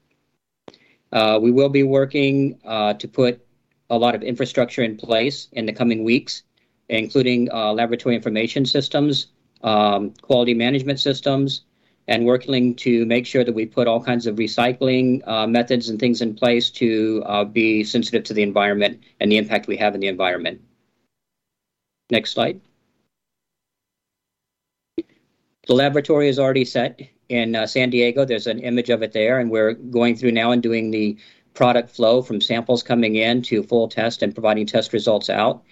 S4: We will be working to put a lot of infrastructure in place in the coming weeks, including laboratory information systems, quality management systems, and working to make sure that we put all kinds of recycling methods and things in place to be sensitive to the environment and the impact we have in the environment. Next slide. The laboratory is already set in San Diego. There's an image of it there, and we're going through now and doing the product flow from samples coming in to full test and providing test results out.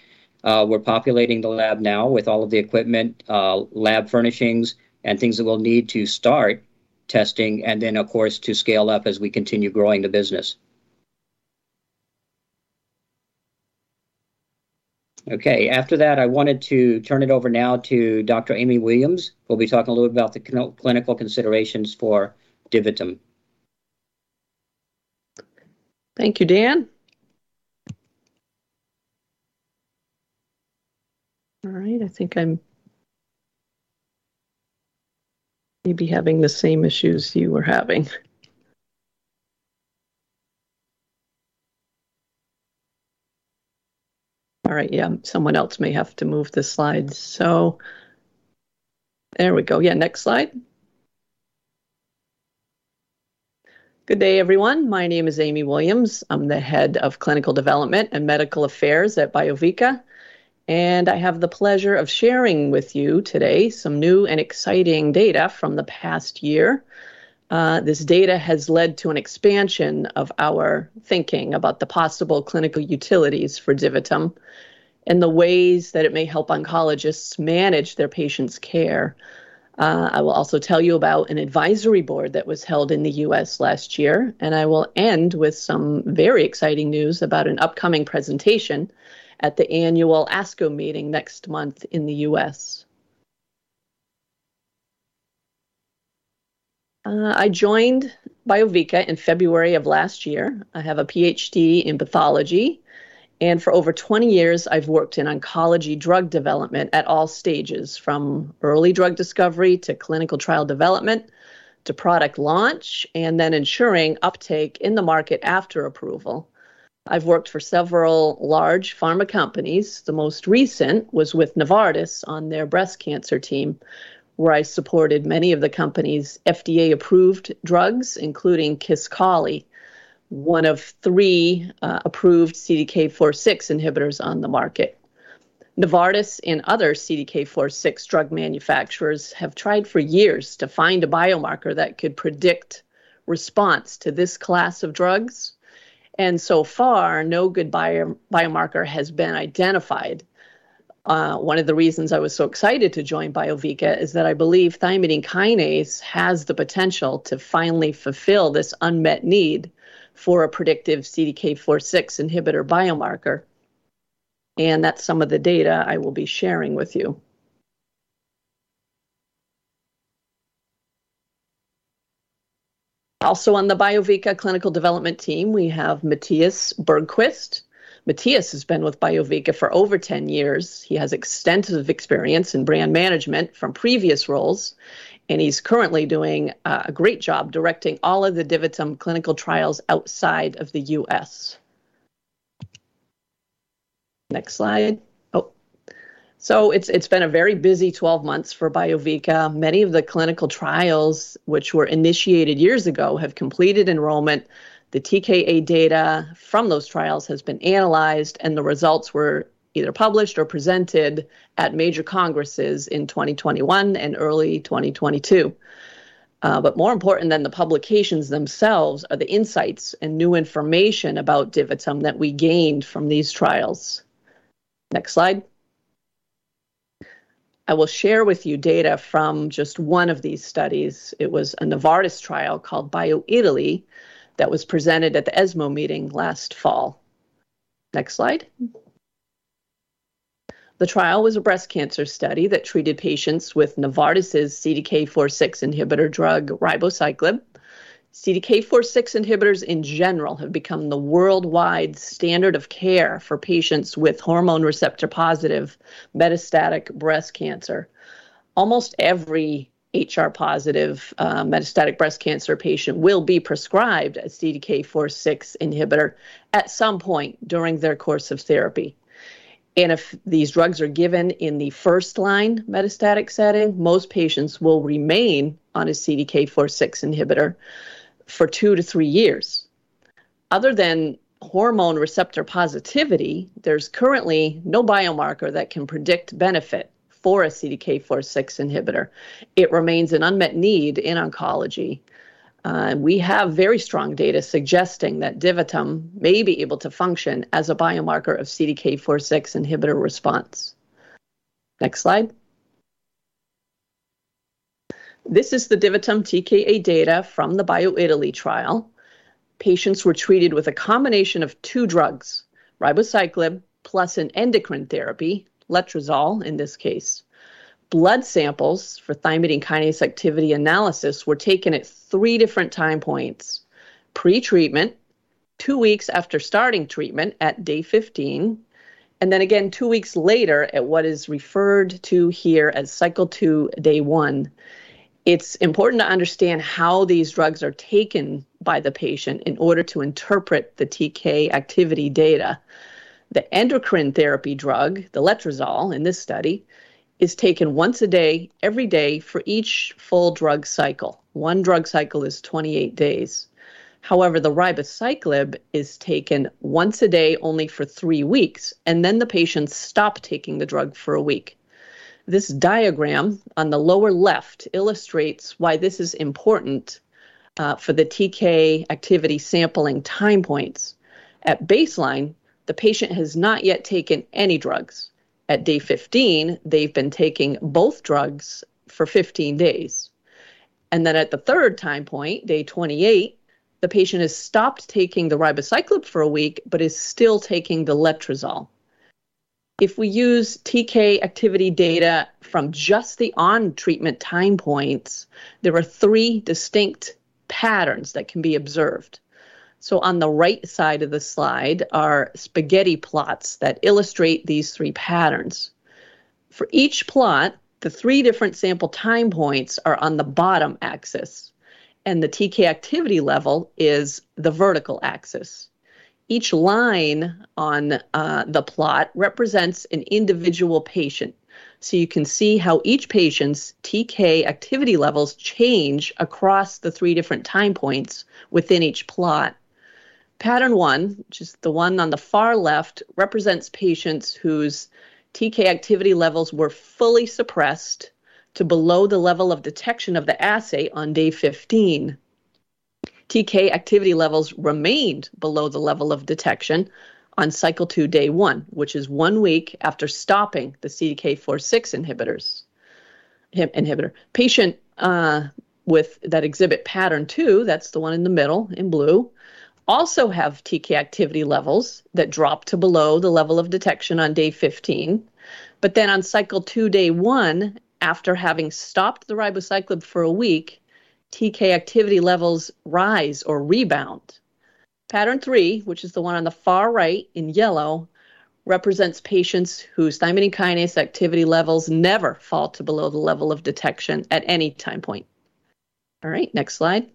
S4: We're populating the lab now with all of the equipment, lab furnishings, and things that we'll need to start testing and then, of course, to scale up as we continue growing the business. Okay, after that, I wanted to turn it over now to Dr. Amy Williams, who'll be talking a little about the clinical considerations for DiviTum.
S5: Thank you, Dan. All right, I think I'm maybe having the same issues you were having. All right, yeah, someone else may have to move the slides. There we go. Yeah, next slide. Good day, everyone. My name is Amy Williams. I'm the Head of Clinical Development and Medical Affairs at Biovica, and I have the pleasure of sharing with you today some new and exciting data from the past year. This data has led to an expansion of our thinking about the possible clinical utilities for DiviTum and the ways that it may help oncologists manage their patients' care. I will also tell you about an advisory board that was held in the U.S. last year, and I will end with some very exciting news about an upcoming presentation at the annual ASCO meeting next month in The U.S. I joined Biovica in February of last year. I have a Ph.D. in pathology, and for over 20 years, I've worked in oncology drug development at all stages, from early drug discovery to clinical trial development to product launch and then ensuring uptake in the market after approval. I've worked for several large pharma companies. The most recent was with Novartis on their breast cancer team, where I supported many of the company's FDA-approved drugs, including Kisqali, one of three approved CDK4/6 inhibitors on the market. Novartis and other CDK4/6 drug manufacturers have tried for years to find a biomarker that could predict response to this class of drugs, and so far, no good biomarker has been identified. One of the reasons I was so excited to join Biovica is that I believe thymidine kinase has the potential to finally fulfill this unmet need for a predictive CDK4/6 inhibitor biomarker, and that's some of the data I will be sharing with you. Also on the Biovica clinical development team, we have Mattias Bergqvist. Mattias has been with Biovica for over 10 years. He has extensive experience in brand management from previous roles, and he's currently doing a great job directing all of the DiviTum clinical trials outside of The U.S.. Next slide. It's been a very busy 12 months for Biovica. Many of the clinical trials which were initiated years ago have completed enrollment. The TKA data from those trials has been analyzed, and the results were either published or presented at major congresses in 2021 and early 2022. More important than the publications themselves are the insights and new information about DiviTum that we gained from these trials. Next slide. I will share with you data from just one of these studies. It was a Novartis trial called BioItaLEE that was presented at the ESMO meeting last fall. Next slide. The trial was a breast cancer study that treated patients with Novartis' CDK4/6 inhibitor drug ribociclib. CDK4/6 inhibitors in general have become the worldwide standard of care for patients with hormone receptor-positive metastatic breast cancer. Almost every HR-positive metastatic breast cancer patient will be prescribed a CDK4/6 inhibitor at some point during their course of therapy. If these drugs are given in the first-line metastatic setting, most patients will remain on a CDK4/6 inhibitor for two to three years. Other than hormone receptor positivity, there's currently no biomarker that can predict benefit for a CDK4/6 inhibitor. It remains an unmet need in oncology. We have very strong data suggesting that DiviTum may be able to function as a biomarker of CDK4/6 inhibitor response. Next slide. This is the DiviTum TKa data from the BioItaLEE trial. Patients were treated with a combination of two drugs, ribociclib plus an endocrine therapy, letrozole in this case. Blood samples for thymidine kinase activity analysis were taken at three different time points, pretreatment, two weeks after starting treatment at day 15, and then again two weeks later at what is referred to here as cycle 2, day 1. It's important to understand how these drugs are taken by the patient in order to interpret the TK activity data. The endocrine therapy drug, the letrozole in this study, is taken once a day, every day for each full drug cycle. One drug cycle is 28 days. However, the ribociclib is taken once a day only for three weeks, and then the patients stop taking the drug for a week. This diagram on the lower left illustrates why this is important, for the TK activity sampling time points. At baseline, the patient has not yet taken any drugs. At day 15, they've been taking both drugs for 15 days. At the third time point, day 28, the patient has stopped taking the ribociclib for a week but is still taking the letrozole. If we use TK activity data from just the on-treatment time points, there are three distinct patterns that can be observed. On the right side of the slide are spaghetti plots that illustrate these three patterns. For each plot, the three different sample time points are on the bottom axis, and the TK activity level is the vertical axis. Each line on the plot represents an individual patient. You can see how each patient's TK activity levels change across the three different time points within each plot. Pattern one, which is the one on the far left, represents patients whose TK activity levels were fully suppressed to below the level of detection of the assay on day 15. TK activity levels remained below the level of detection on cycle 2, day 1, which is one week after stopping the CDK4/6 inhibitors. Patients with that exhibit pattern 2, that's the one in the middle in blue, also have TK activity levels that drop to below the level of detection on day 15. On cycle 2, day 1, after having stopped the ribociclib for a week, TK activity levels rise or rebound. Pattern 3, which is the one on the far right in yellow, represents patients whose thymidine kinase activity levels never fall to below the level of detection at any time point. All right, next slide.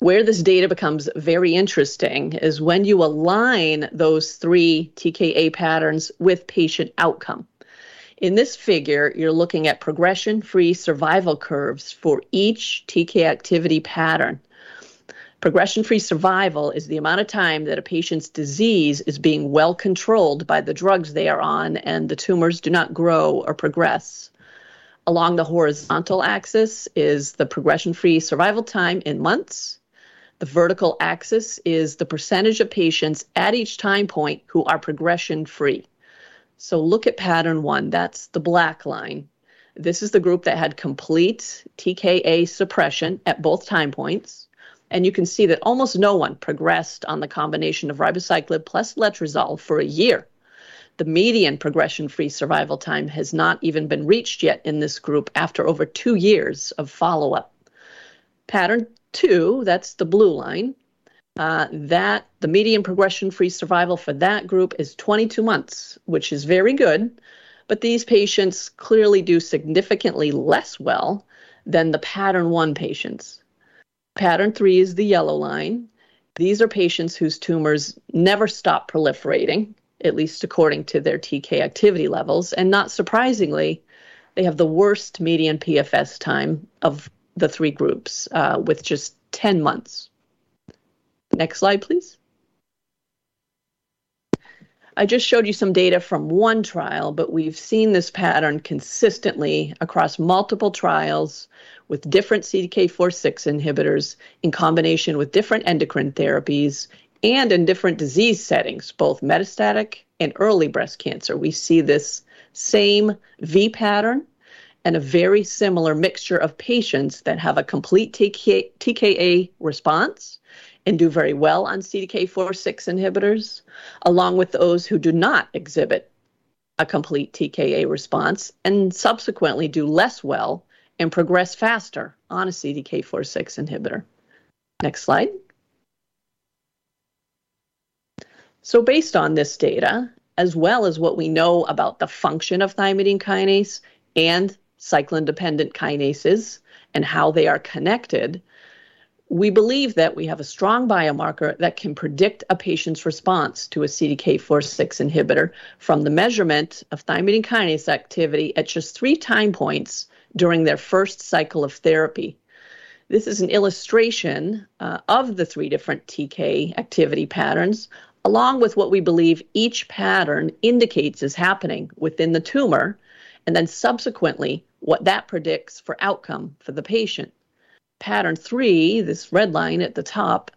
S5: Where this data becomes very interesting is when you align those three TKA patterns with patient outcome. In this figure, you're looking at progression-free survival curves for each TK activity pattern. Progression-free survival is the amount of time that a patient's disease is being well controlled by the drugs they are on, and the tumors do not grow or progress. Along the horizontal axis is the progression-free survival time in months. The vertical axis is the percentage of patients at each time point who are progression-free. Look at pattern one. That's the black line. This is the group that had complete TKA suppression at both time points, and you can see that almost no one progressed on the combination of ribociclib plus letrozole for a year. The median progression-free survival time has not even been reached yet in this group after over two years of follow-up. Pattern 2, that's the blue line, that the median progression-free survival for that group is 22 months, which is very good, but these patients clearly do significantly less well than the pattern one patients. Pattern three is the yellow line. These are patients whose tumors never stop proliferating, at least according to their TK activity levels. Not surprisingly, they have the worst median PFS time of the three groups, with just 10 months. Next slide, please. I just showed you some data from one trial, but we've seen this pattern consistently across multiple trials with different CDK4/6 inhibitors in combination with different endocrine therapies and in different disease settings, both metastatic and early breast cancer. We see this same V pattern and a very similar mixture of patients that have a complete TKA response and do very well on CDK4/6 inhibitors along with those who do not exhibit a complete TKA response and subsequently do less well and progress faster on a CDK4/6 inhibitor. Next slide. Based on this data, as well as what we know about the function of thymidine kinase and cyclin-dependent kinases and how they are connected, we believe that we have a strong biomarker that can predict a patient's response to a CDK 4/6 inhibitor from the measurement of thymidine kinase activity at just three time points during their first cycle of therapy. This is an illustration of the three different TK activity patterns along with what we believe each pattern indicates is happening within the tumor and then subsequently what that predicts for outcome for the patient. Pattern three, this red line at the top,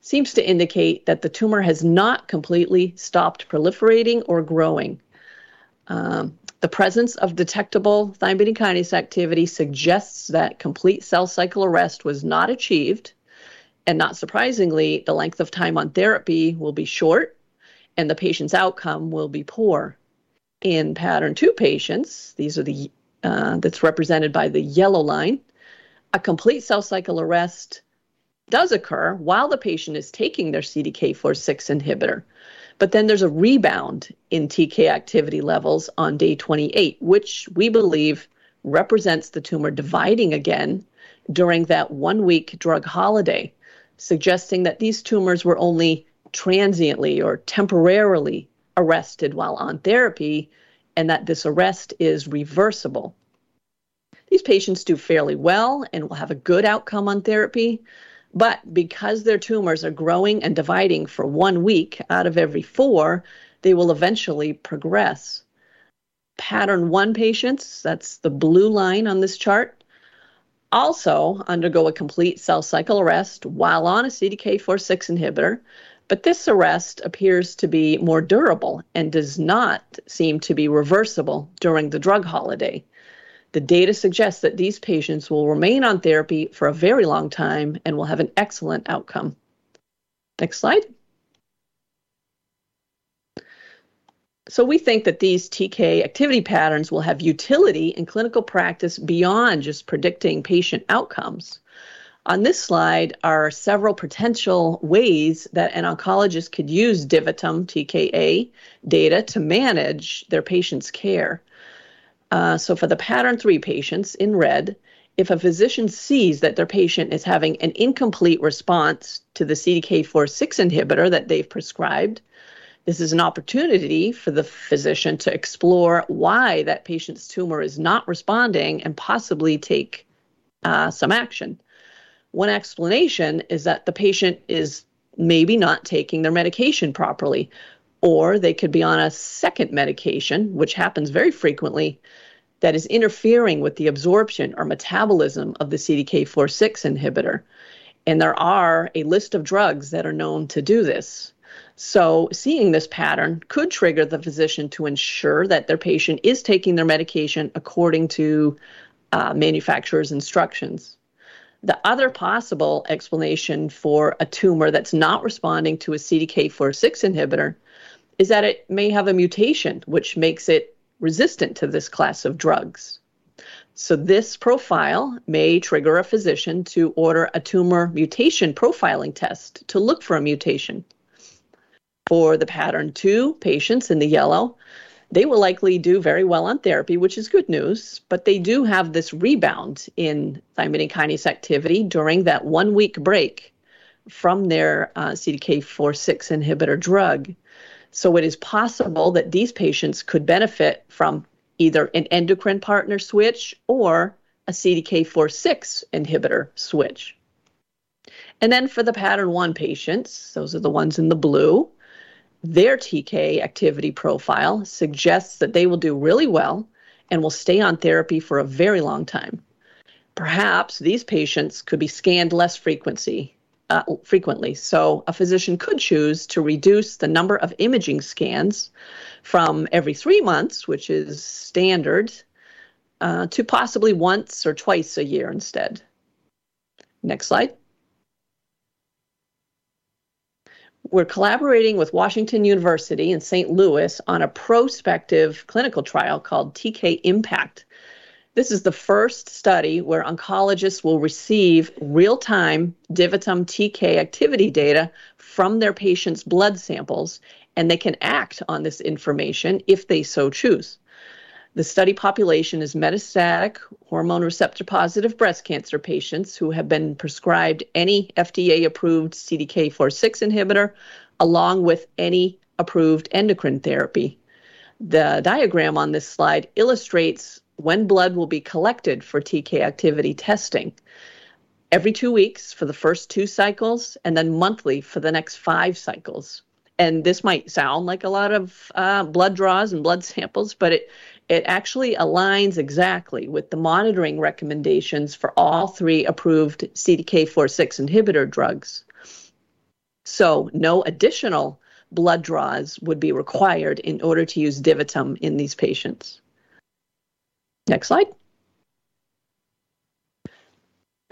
S5: seems to indicate that the tumor has not completely stopped proliferating or growing. The presence of detectable thymidine kinase activity suggests that complete cell cycle arrest was not achieved, and not surprisingly, the length of time on therapy will be short, and the patient's outcome will be poor. In pattern two patients, that's represented by the yellow line, a complete cell cycle arrest does occur while the patient is taking their CDK4/6 inhibitor. There's a rebound in TK activity levels on day 28, which we believe represents the tumor dividing again during that one-week drug holiday, suggesting that these tumors were only transiently or temporarily arrested while on therapy and that this arrest is reversible. These patients do fairly well and will have a good outcome on therapy, but because their tumors are growing and dividing for one week out of every four, they will eventually progress. Pattern one patients, that's the blue line on this chart, also undergo a complete cell cycle arrest while on a CDK4/6 inhibitor, but this arrest appears to be more durable and does not seem to be reversible during the drug holiday. The data suggests that these patients will remain on therapy for a very long time and will have an excellent outcome. Next slide. We think that these TK activity patterns will have utility in clinical practice beyond just predicting patient outcomes. On this slide are several potential ways that an oncologist could use DiviTum TKa data to manage their patient's care. For the pattern 3 patients in red, if a physician sees that their patient is having an incomplete response to the CDK4/6 inhibitor that they've prescribed, this is an opportunity for the physician to explore why that patient's tumor is not responding and possibly take some action. One explanation is that the patient is maybe not taking their medication properly, or they could be on a second medication, which happens very frequently, that is interfering with the absorption or metabolism of the CDK4/6 inhibitor. There are a list of drugs that are known to do this. Seeing this pattern could trigger the physician to ensure that their patient is taking their medication according to manufacturer's instructions. The other possible explanation for a tumor that's not responding to a CDK4/6 inhibitor is that it may have a mutation which makes it resistant to this class of drugs. This profile may trigger a physician to order a tumor mutation profiling test to look for a mutation. For the pattern 2 patients in the yellow, they will likely do very well on therapy, which is good news, but they do have this rebound in thymidine kinase activity during that one-week break from their CDK4/6 inhibitor drug. It is possible that these patients could benefit from either an endocrine partner switch or a CDK4/6 inhibitor switch. For the pattern 1 patients, those are the ones in the blue, their TK activity profile suggests that they will do really well and will stay on therapy for a very long time. Perhaps these patients could be scanned less frequently. A physician could choose to reduce the number of imaging scans from every three months, which is standard, to possibly once or twice a year instead. Next slide. We're collaborating with Washington University in St. Louis on a prospective clinical trial called TK IMPACT. This is the first study where oncologists will receive real-time DiviTum TK activity data from their patients' blood samples, and they can act on this information if they so choose. The study population is metastatic hormone receptor-positive breast cancer patients who have been prescribed any FDA-approved CDK4/6 inhibitor along with any approved endocrine therapy. The diagram on this slide illustrates when blood will be collected for TK activity testing every two weeks for the first two cycles and then monthly for the next five cycles. This might sound like a lot of blood draws and blood samples, but it actually aligns exactly with the monitoring recommendations for all three approved CDK4/6 inhibitor drugs. No additional blood draws would be required in order to use DiviTum in these patients. Next slide.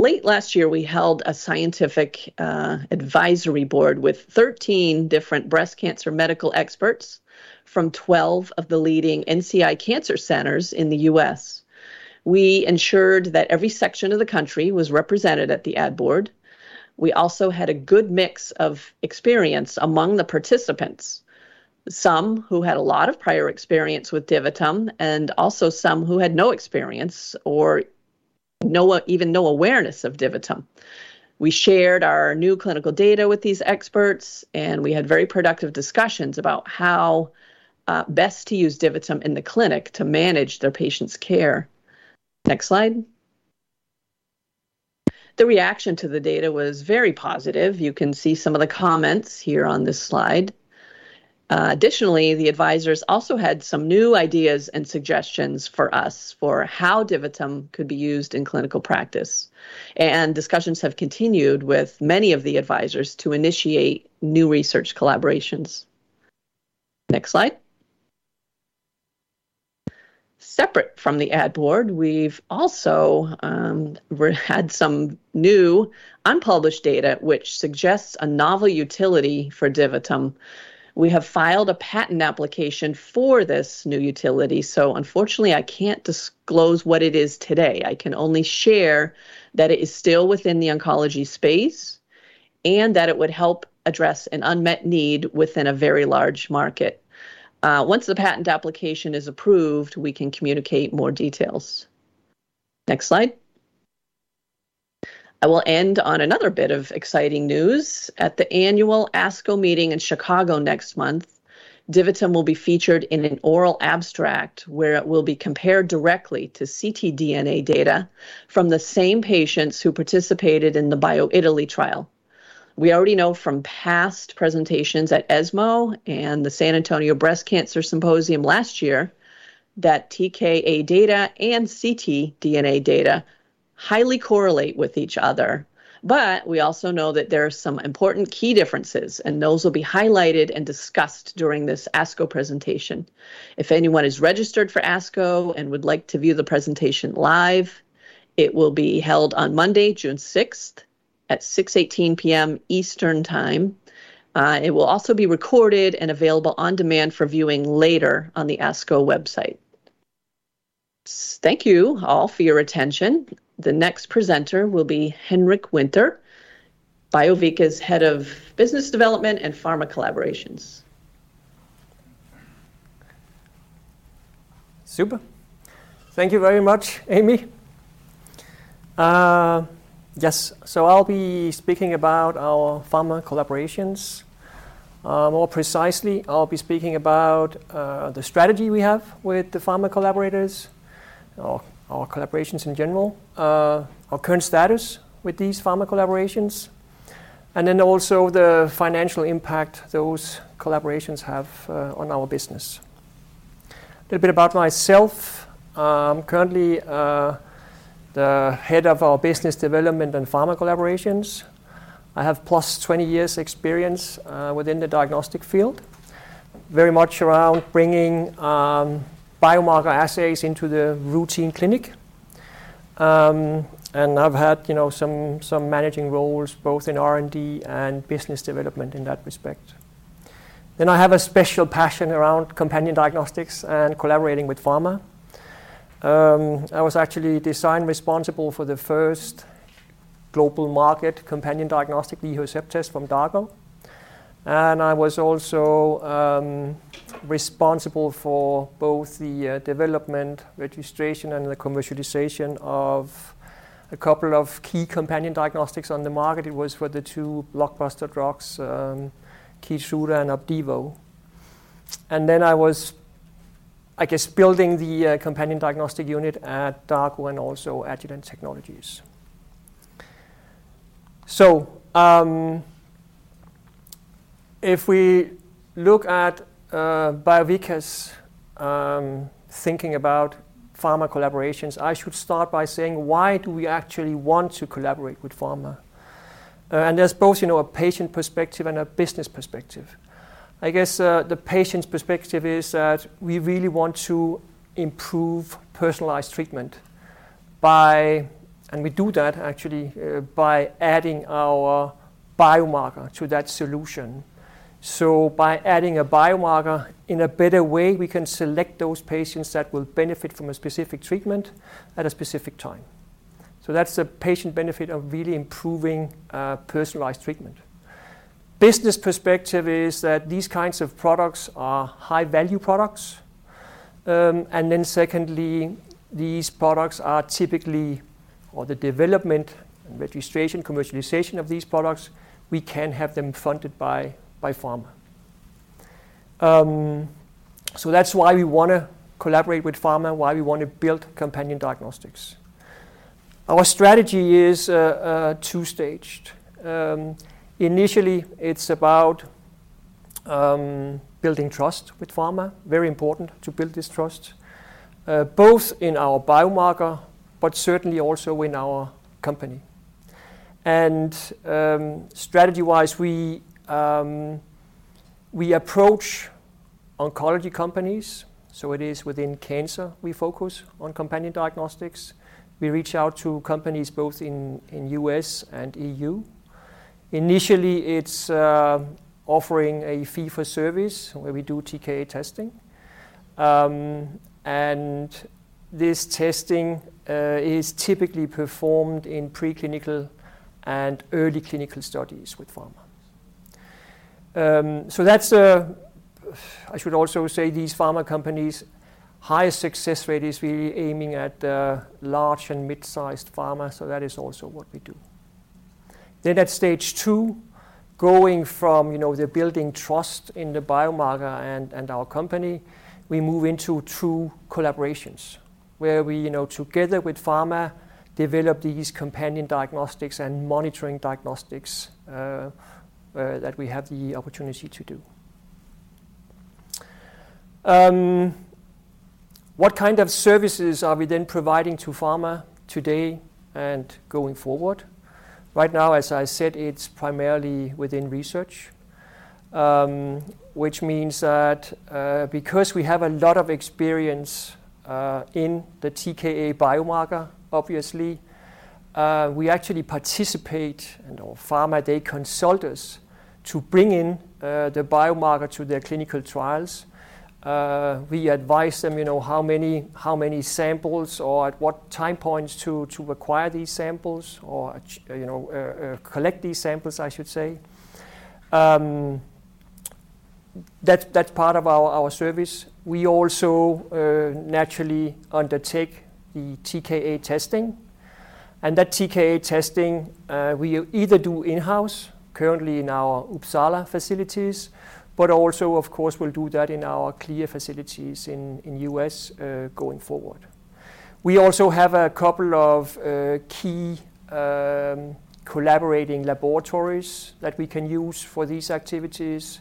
S5: Late last year, we held a scientific advisory board with 13 different breast cancer medical experts from 12 of the leading NCI cancer centers in The U.S.. We ensured that every section of the country was represented at the ad board. We also had a good mix of experience among the participants, some who had a lot of prior experience with DiviTum and also some who had no experience or even no awareness of DiviTum. We shared our new clinical data with these experts, and we had very productive discussions about how best to use DiviTum in the clinic to manage their patients' care. Next slide. The reaction to the data was very positive. You can see some of the comments here on this slide. Additionally, the advisors also had some new ideas and suggestions for us for how DiviTum could be used in clinical practice. Discussions have continued with many of the advisors to initiate new research collaborations. Next slide. Separate from the advisory board, we've also had some new unpublished data which suggests a novel utility for DiviTum. We have filed a patent application for this new utility, so unfortunately, I can't disclose what it is today. I can only share that it is still within the oncology space and that it would help address an unmet need within a very large market. Once the patent application is approved, we can communicate more details. Next slide. I will end on another bit of exciting news. At the annual ASCO meeting in Chicago next month, DiviTum will be featured in an oral abstract where it will be compared directly to ctDNA data from the same patients who participated in the BioItaLEE trial. We already know from past presentations at ESMO and the San Antonio Breast Cancer Symposium last year that TKA data and ctDNA data highly correlate with each other. We also know that there are some important key differences, and those will be highlighted and discussed during this ASCO presentation. If anyone is registered for ASCO and would like to view the presentation live, it will be held on Monday, June 6th at 6:18 P.M. Eastern time. It will also be recorded and available on demand for viewing later on the ASCO website. Thank you all for your attention. The next presenter will be Henrik Winther, Biovica's head of business development and pharma collaborations.
S6: Super. Thank you very much, Amy. Yes. I'll be speaking about our pharma collaborations. More precisely, I'll be speaking about the strategy we have with the pharma collaborators or our collaborations in general, our current status with these pharma collaborations, and then also the financial impact those collaborations have on our business. A little bit about myself. Currently, the head of our business development and pharma collaborations. I have +20 years experience within the diagnostic field, very much around bringing biomarker assays into the routine clinic. I've had, you know, some managing roles both in R&D and business development in that respect. I have a special passion around companion diagnostics and collaborating with pharma. I was actually design responsible for the first global market companion diagnostic HER2 test from Dako. I was also responsible for both the development, registration, and the commercialization of a couple of key companion diagnostics on the market. It was for the two blockbuster drugs, Keytruda and Opdivo. I was, I guess, building the companion diagnostic unit at Dako and also Agilent Technologies. If we look at Biovica's thinking about pharma collaborations, I should start by saying why do we actually want to collaborate with pharma? There's both, you know, a patient perspective and a business perspective. I guess, the patient's perspective is that we really want to improve personalized treatment by adding our biomarker to that solution. We do that actually by adding our biomarker to that solution. By adding a biomarker in a better way, we can select those patients that will benefit from a specific treatment at a specific time. That's the patient benefit of really improving personalized treatment. Business perspective is that these kinds of products are high-value products. Secondly, these products are typically the development and registration, commercialization of these products, we can have them funded by pharma. That's why we wanna collaborate with pharma, why we want to build companion diagnostics. Our strategy is two-staged. Initially it's about building trust with pharma. Very important to build this trust both in our biomarker, but certainly also in our company. Strategy-wise, we approach oncology companies, it is within cancer we focus on companion diagnostics. We reach out to companies both in U.S. and EU. Initially, it's offering a fee for service where we do TKA testing. This testing is typically performed in preclinical and early clinical studies with pharma. That's, I should also say these pharma companies' highest success rate is really aiming at, large and mid-sized pharma, so that is also what we do. At stage two, going from, you know, the building trust in the biomarker and our company, we move into true collaborations where we, you know, together with pharma, develop these companion diagnostics and monitoring diagnostics that we have the opportunity to do. What kind of services are we then providing to pharma today and going forward? Right now, as I said, it's primarily within research, which means that, because we have a lot of experience in the TKA biomarker, obviously, we actually participate and our pharma, they consult us to bring in the biomarker to their clinical trials. We advise them, you know, how many samples or at what time points to acquire these samples or, you know, collect these samples, I should say. That's part of our service. We also naturally undertake the TKA testing, and that TKA testing, we either do in-house currently in our Uppsala facilities, but also of course we'll do that in our CLIA facilities in US, going forward. We also have a couple of key collaborating laboratories that we can use for these activities.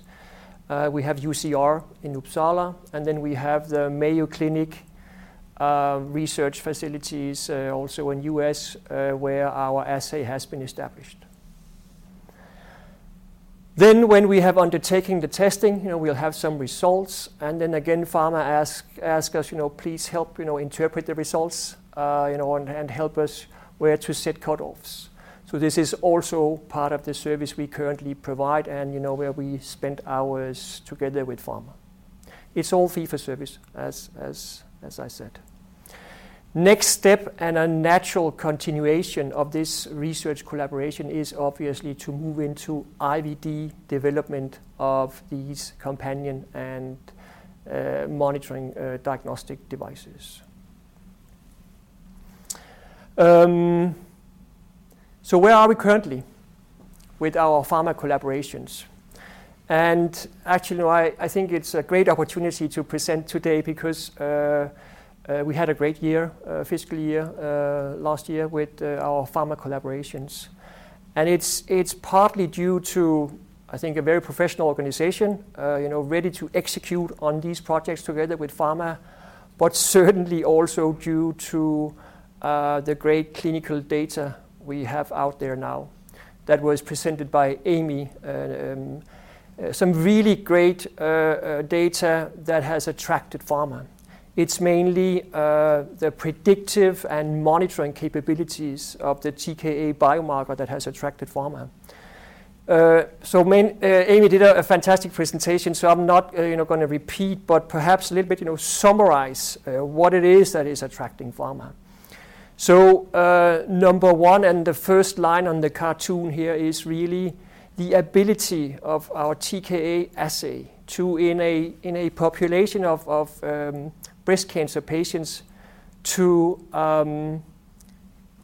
S6: We have UCR in Uppsala, and then we have the Mayo Clinic research facilities also in The U.S., where our assay has been established. When we have undertaking the testing, you know, we'll have some results and then again, pharma ask us, you know, please help, you know, interpret the results, you know, and help us where to set cutoffs. This is also part of the service we currently provide and you know, where we spend hours together with pharma. It's all fee for service as I said. Next step and a natural continuation of this research collaboration is obviously to move into IVD development of these companion and monitoring diagnostic devices. Where are we currently with our pharma collaborations? Actually, I think it's a great opportunity to present today because we had a great year, fiscal year, last year with our pharma collaborations. It's partly due to I think a very professional organization, you know, ready to execute on these projects together with pharma. Certainly also due to the great clinical data we have out there now that was presented by Amy. Some really great data that has attracted pharma. It's mainly the predictive and monitoring capabilities of the TKA biomarker that has attracted pharma. Amy did a fantastic presentation, so I'm not you know, gonna repeat but perhaps a little bit, you know, summarize what it is that is attracting pharma. Number one and the first line on the cartoon here is really the ability of our TKA assay to in a population of breast cancer patients to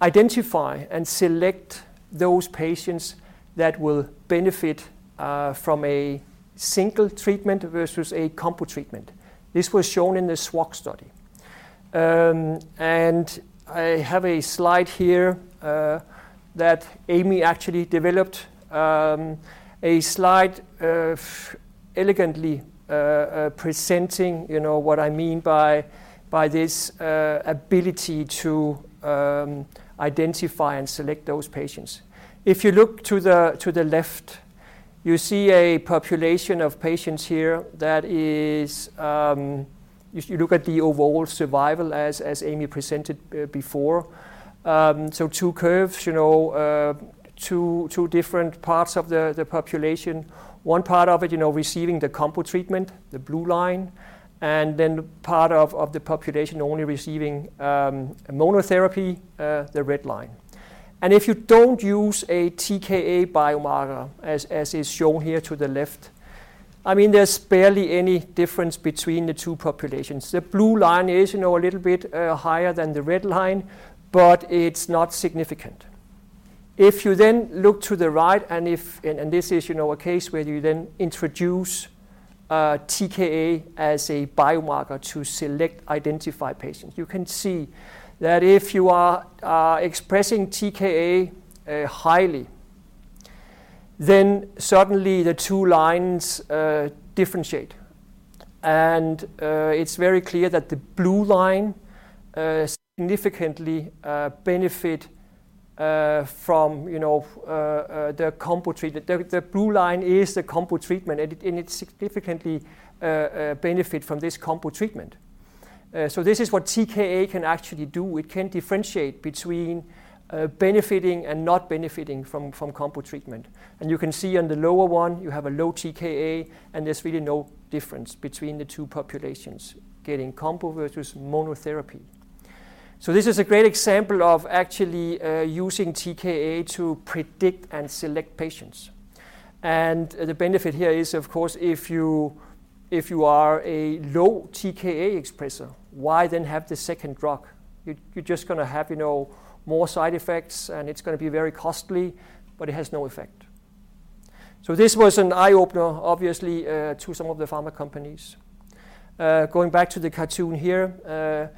S6: identify and select those patients that will benefit from a single treatment versus a combo treatment. This was shown in the SWOG study. I have a slide here that Amy actually developed a slide elegantly presenting, you know, what I mean by this ability to identify and select those patients. If you look to the left, you see a population of patients here that is if you look at the overall survival as Amy presented before. Two curves, you know, two different parts of the population. One part of it, you know, receiving the combo treatment, the blue line, and then part of the population only receiving monotherapy, the red line. If you don't use a TKA biomarker as is shown here to the left, I mean, there's barely any difference between the two populations. The blue line is, you know, a little bit higher than the red line, but it's not significant. If you then look to the right, and this is, you know, a case where you then introduce TKA as a biomarker to select, identify patients. You can see that if you are expressing TKA highly, then suddenly the two lines differentiate. It's very clear that the blue line significantly benefit from you know the combo treatment. The blue line is the combo treatment and it significantly benefit from this combo treatment. This is what TKA can actually do. It can differentiate between benefiting and not benefiting from combo treatment. You can see on the lower one you have a low TKA and there's really no difference between the two populations getting combo versus monotherapy. This is a great example of actually using TKA to predict and select patients. The benefit here is of course if you are a low TKA expresser why then have the second drug? You're just gonna have, you know, more side effects and it's gonna be very costly, but it has no effect. This was an eye-opener obviously to some of the pharma companies. Going back to the cartoon here,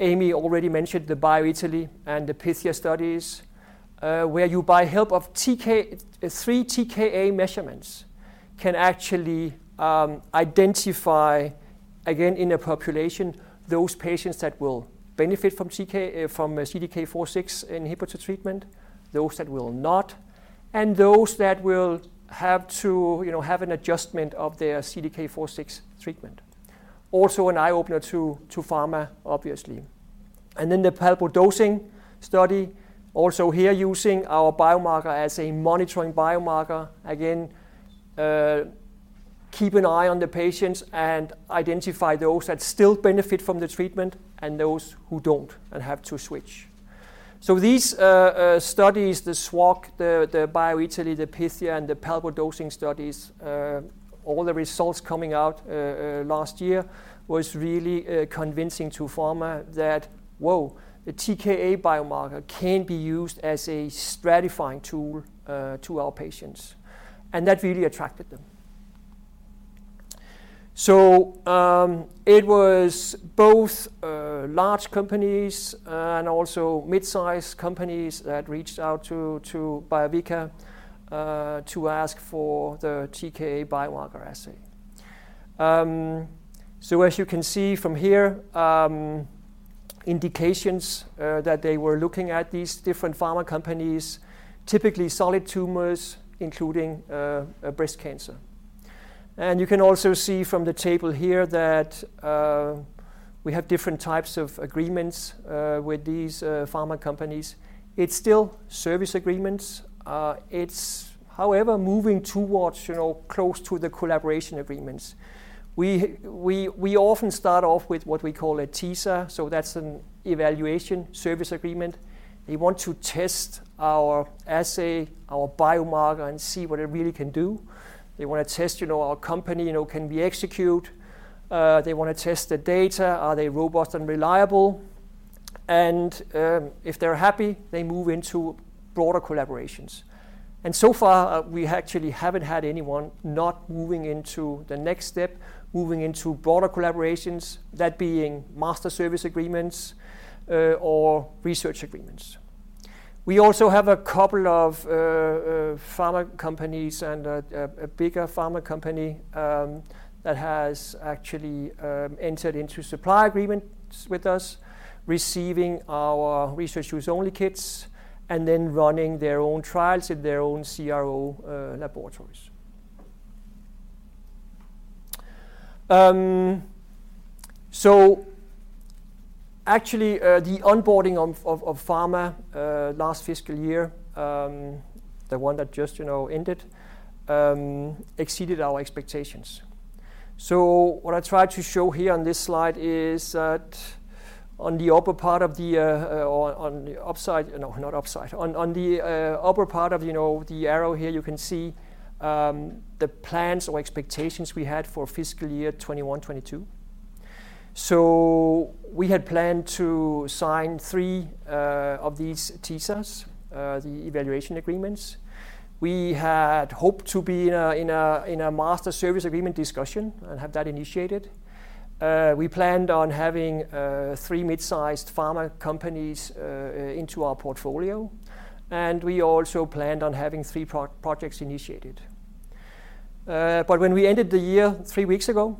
S6: Amy already mentioned the BioItaLEE and the PYTHIA studies, where by help of three TKA measurements can actually identify again in a population those patients that will benefit from a CDK4/6 inhibitor treatment, those that will not, and those that will have to, you know, have an adjustment of their CDK4/6 treatment. Also an eye-opener to pharma obviously. Then the palbo dosing study also here using our biomarker as a monitoring biomarker. Again, keep an eye on the patients and identify those that still benefit from the treatment and those who don't and have to switch. These studies, the SWOG, the BioItaLEE, the PYTHIA, and the palbo dosing studies, all the results coming out last year was really convincing to pharma that, whoa, the TKA biomarker can be used as a stratifying tool to our patients. That really attracted them. It was both large companies and also mid-size companies that reached out to Biovica to ask for the TKA biomarker assay. As you can see from here, indications that they were looking at these different pharma companies, typically solid tumors including breast cancer. You can also see from the table here that we have different types of agreements with these pharma companies. It's still service agreements. It's however moving towards, you know, close to the collaboration agreements. We often start off with what we call a TISA, so that's an evaluation service agreement. They want to test our assay, our biomarker, and see what it really can do. They wanna test, you know, our company, you know, can we execute? They wanna test the data. Are they robust and reliable? If they're happy, they move into broader collaborations. So far, we actually haven't had anyone not moving into the next step, moving into broader collaborations, that being master service agreements or research agreements. We also have a couple of pharma companies and a bigger pharma company that has actually entered into supply agreements with us, receiving our research use only kits and then running their own trials in their own CRO laboratories. Actually, the onboarding of pharma last fiscal year, the one that just, you know, ended, exceeded our expectations. What I tried to show here on this slide is that on the upper part of the arrow here you can see the plans or expectations we had for fiscal year 2021/2022. We had planned to sign three of these TSAs, the evaluation agreements. We had hoped to be in a master service agreement discussion and have that initiated. We planned on having three mid-sized pharma companies into our portfolio, and we also planned on having three pro-projects initiated. When we ended the year three weeks ago,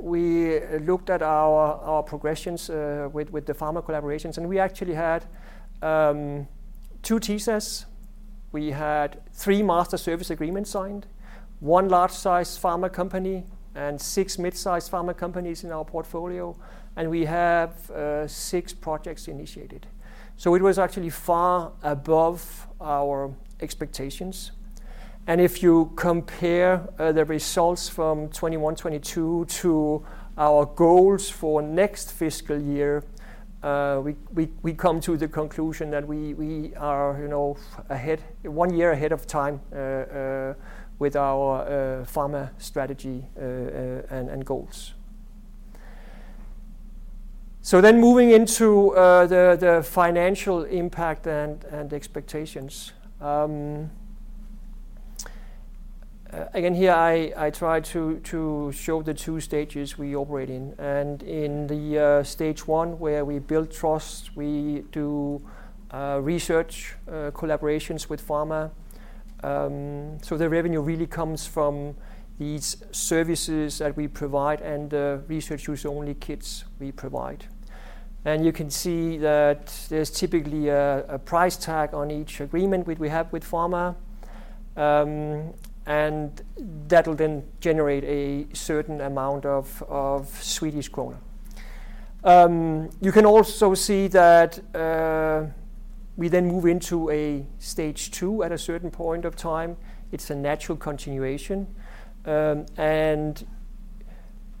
S6: we looked at our progressions with the pharma collaborations, and we actually had two TSAs. We had three master service agreements signed, one large-sized pharma company and six mid-sized pharma companies in our portfolio, and we have six projects initiated. It was actually far above our expectations. If you compare the results from 2021, 2022 to our goals for next fiscal year, we come to the conclusion that we are, you know, ahead, one year ahead of time with our pharma strategy and goals. Moving into the financial impact and expectations. Again, here I try to show the two stages we operate in. In the stage one, where we build trust, we do research collaborations with pharma. The revenue really comes from these services that we provide and the research use only kits we provide. You can see that there's typically a price tag on each agreement which we have with pharma, and that'll then generate a certain amount of Swedish krona. You can also see that we then move into a stage two at a certain point of time. It's a natural continuation.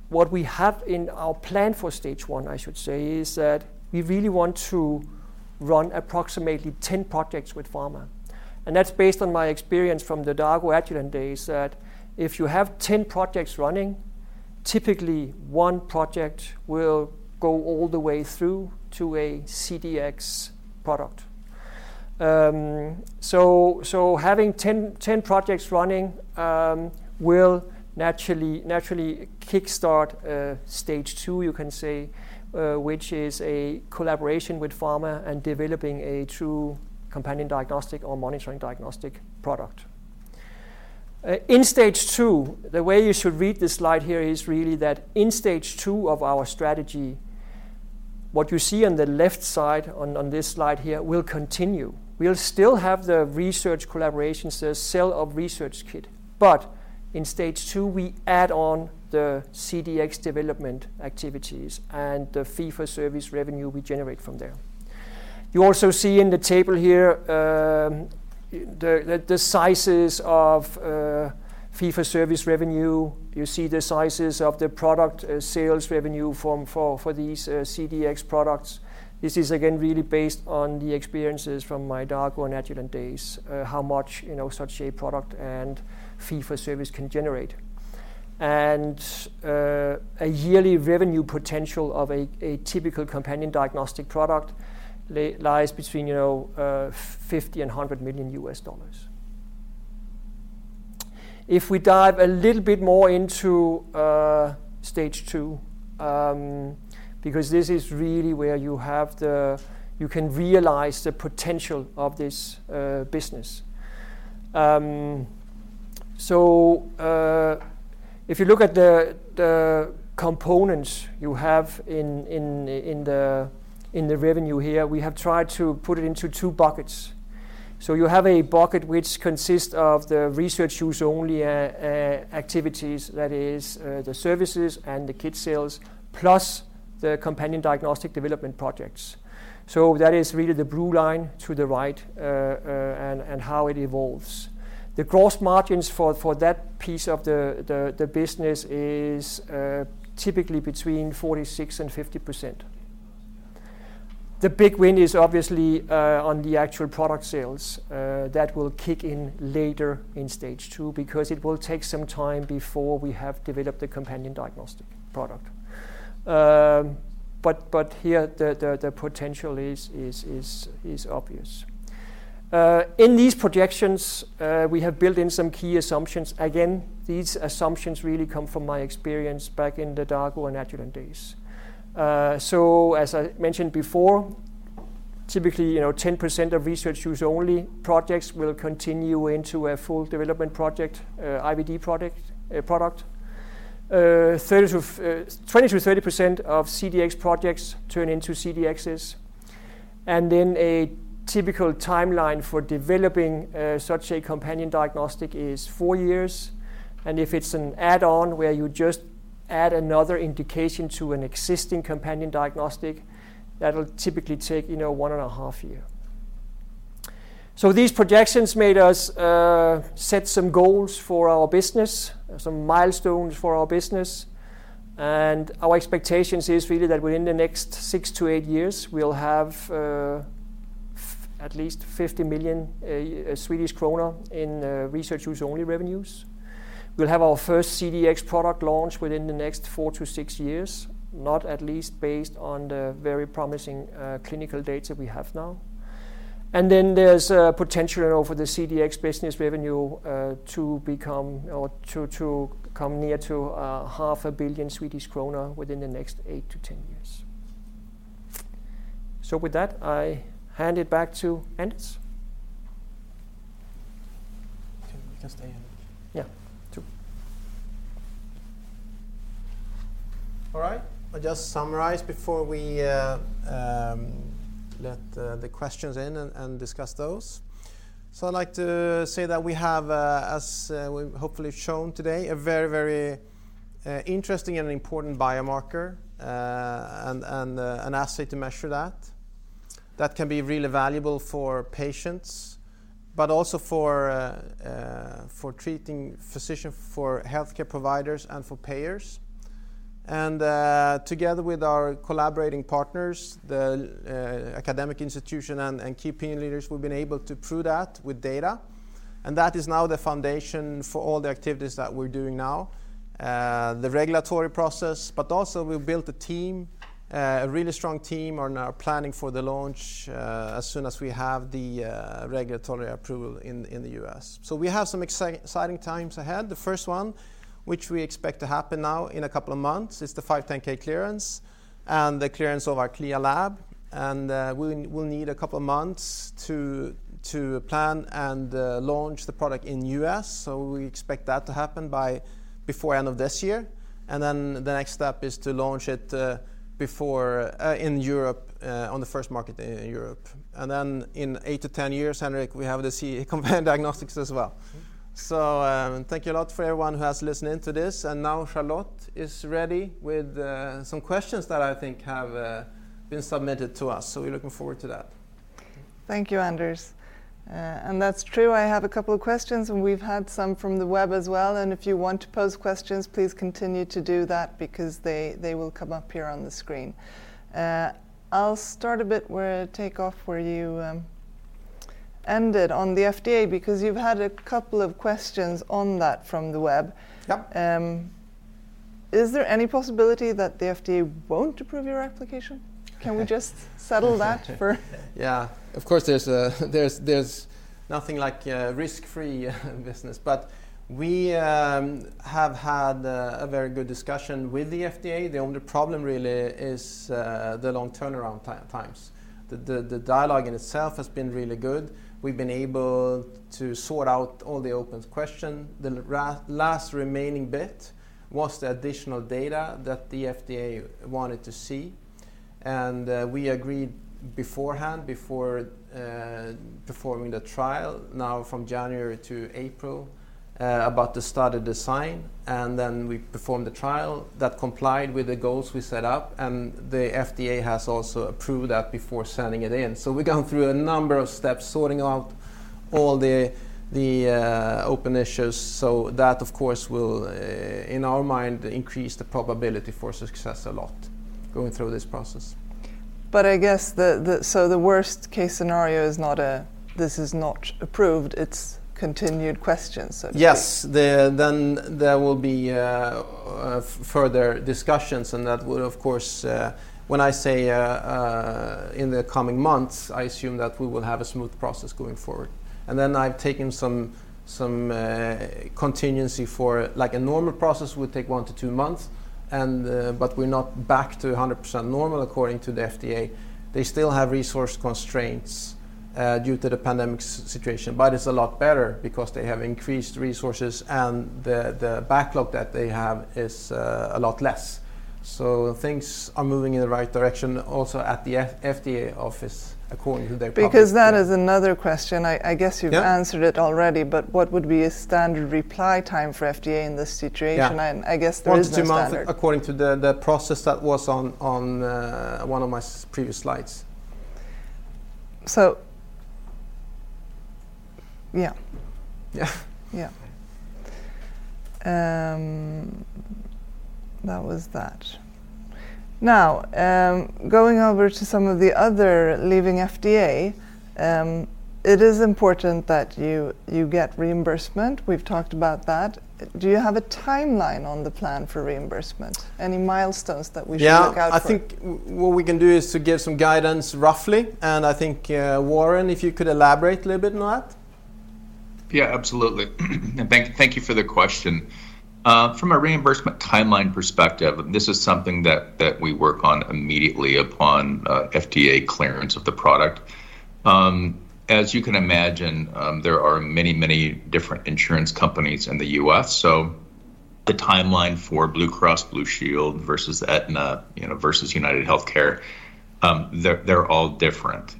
S6: What we have in our plan for stage one, I should say, is that we really want to run approximately 10 projects with pharma. That's based on my experience from the Dako Agilent days that if you have 10 projects running, typically one project will go all the way through to a CDx product. Having 10 projects running will naturally kickstart stage two, you can say, which is a collaboration with pharma and developing a true companion diagnostic or monitoring diagnostic product. In stage two, the way you should read this slide here is really that in stage two of our strategy, what you see on the left side on this slide here will continue. We'll still have the research collaborations, the sale of research kit. In stage two, we add on the CDx development activities and the fee for service revenue we generate from there. You also see in the table here, the sizes of fee for service revenue. You see the sizes of the product sales revenue from for these CDx products. This is again really based on the experiences from my Dako and Agilent days, how much, you know, such a product and fee for service can generate. A yearly revenue potential of a typical companion diagnostic product lies between, you know, $50 million-$100 million. If we dive a little bit more into stage two, because this is really where you can realize the potential of this business. If you look at the components you have in the revenue here, we have tried to put it into two buckets. You have a bucket which consists of the research use only activities, that is, the services and the kit sales, plus the companion diagnostic development projects. That is really the blue line to the right, and how it evolves. The gross margins for that piece of the business is typically between 46% and 50%. The big win is obviously on the actual product sales that will kick in later in stage two because it will take some time before we have developed the companion diagnostic product. But here the potential is obvious. In these projections, we have built in some key assumptions. Again, these assumptions really come from my experience back in the Dako and Agilent days. As I mentioned before, typically, you know, 10% of research use only projects will continue into a full development project, IVD project, product. 20%-30% of CDx projects turn into CDXs. A typical timeline for developing such a companion diagnostic is four years, and if it's an add-on where you just add another indication to an existing companion diagnostic, that'll typically take, you know, 1.5 years. These projections made us set some goals for our business, some milestones for our business. Our expectations are really that within the next six to eight years we'll have At least 50 million Swedish kronor in research use only revenues. We'll have our first CDx product launch within the next four to six years, not at least based on the very promising clinical data we have now. Then there's a potential for the CDx business revenue to become or to come near to 500 million Swedish kronor Within the next eight to 10 years. So with that I'll hand it back to, Anders.
S1: Okay. We can stay here.
S6: Yeah. 2.
S1: All right. I'll just summarize before we let the questions in and discuss those. I'd like to say that we have, as we've hopefully shown today, a very interesting and important biomarker, and an assay to measure that. That can be really valuable for patients, but also for treating physician, for healthcare providers and for payers. Together with our collaborating partners, the academic institution and key opinion leaders, we've been able to prove that with data, and that is now the foundation for all the activities that we're doing now. The regulatory process, but also we built a team, a really strong team on our planning for the launch, as soon as we have the regulatory approval in The U.S.. We have some exciting times ahead. The first one, which we expect to happen now in a couple of months, is the 510(k) clearance and the clearance of our CLIA lab. We'll need a couple of months to plan and launch the product in U.S. We expect that to happen before end of this year. The next step is to launch it in Europe on the first market in Europe. In eight to 10 years, Henrik, we have the CE companion diagnostics as well.
S2: Mm-hmm.
S1: Thank you a lot for everyone who has listened in to this. Now Charlotte is ready with some questions that I think have been submitted to us. We're looking forward to that.
S7: Thank you, Anders. That's true, I have a couple of questions, and we've had some from the web as well. If you want to pose questions, please continue to do that because they will come up here on the screen. I'll start a bit where you ended on the FDA, because you've had a couple of questions on that from the web.
S1: Yep.
S7: Is there any possibility that the FDA won't approve your application? Can we just settle that for-
S1: Yeah. Of course there's nothing like a risk-free business. We have had a very good discussion with the FDA. The only problem really is the long turnaround times. The dialogue in itself has been really good. We've been able to sort out all the open question. The last remaining bit was the additional data that the FDA wanted to see. We agreed beforehand, before performing the trial, now from January to April about the study design, and then we performed the trial that complied with the goals we set up, and the FDA has also approved that before sending it in. We've gone through a number of steps, sorting out all the open issues. That, of course, will, in our mind, increase the probability for success a lot going through this process.
S7: I guess the worst case scenario is not a "This is not approved." It's continued questions, so to speak.
S1: Yes. There will be further discussions and that will of course. When I say in the coming months, I assume that we will have a smooth process going forward. I've taken some contingency for. Like, a normal process would take one to two months, but we're not back to 100% normal according to the FDA. They still have resource constraints due to the pandemic situation. But it's a lot better because they have increased resources and the backlog that they have is a lot less. Things are moving in the right direction also at the FDA office according to their public-
S7: That is another question. I guess you've
S1: Yeah
S7: Answered it already. What would be a standard reply time for FDA in this situation?
S1: Yeah.
S7: I guess there is no standard.
S1: one to two months according to the process that was on one of my previous slides.
S7: Yeah.
S1: Yeah.
S7: Yeah. That was that. Now, going over to some of the other, leaving FDA, it is important that you get reimbursement. We've talked about that. Do you have a timeline on the plan for reimbursement? Any milestones that we should look out for?
S1: Yeah. I think what we can do is to give some guidance roughly, and I think, Warren, if you could elaborate a little bit on that.
S2: Yeah, absolutely. Thank you for the question. From a reimbursement timeline perspective, this is something that we work on immediately upon FDA clearance of the product. As you can imagine, there are many different insurance companies in The U.S. So the timeline for Blue Cross Blue Shield versus Aetna, you know, versus UnitedHealthcare, they're all different.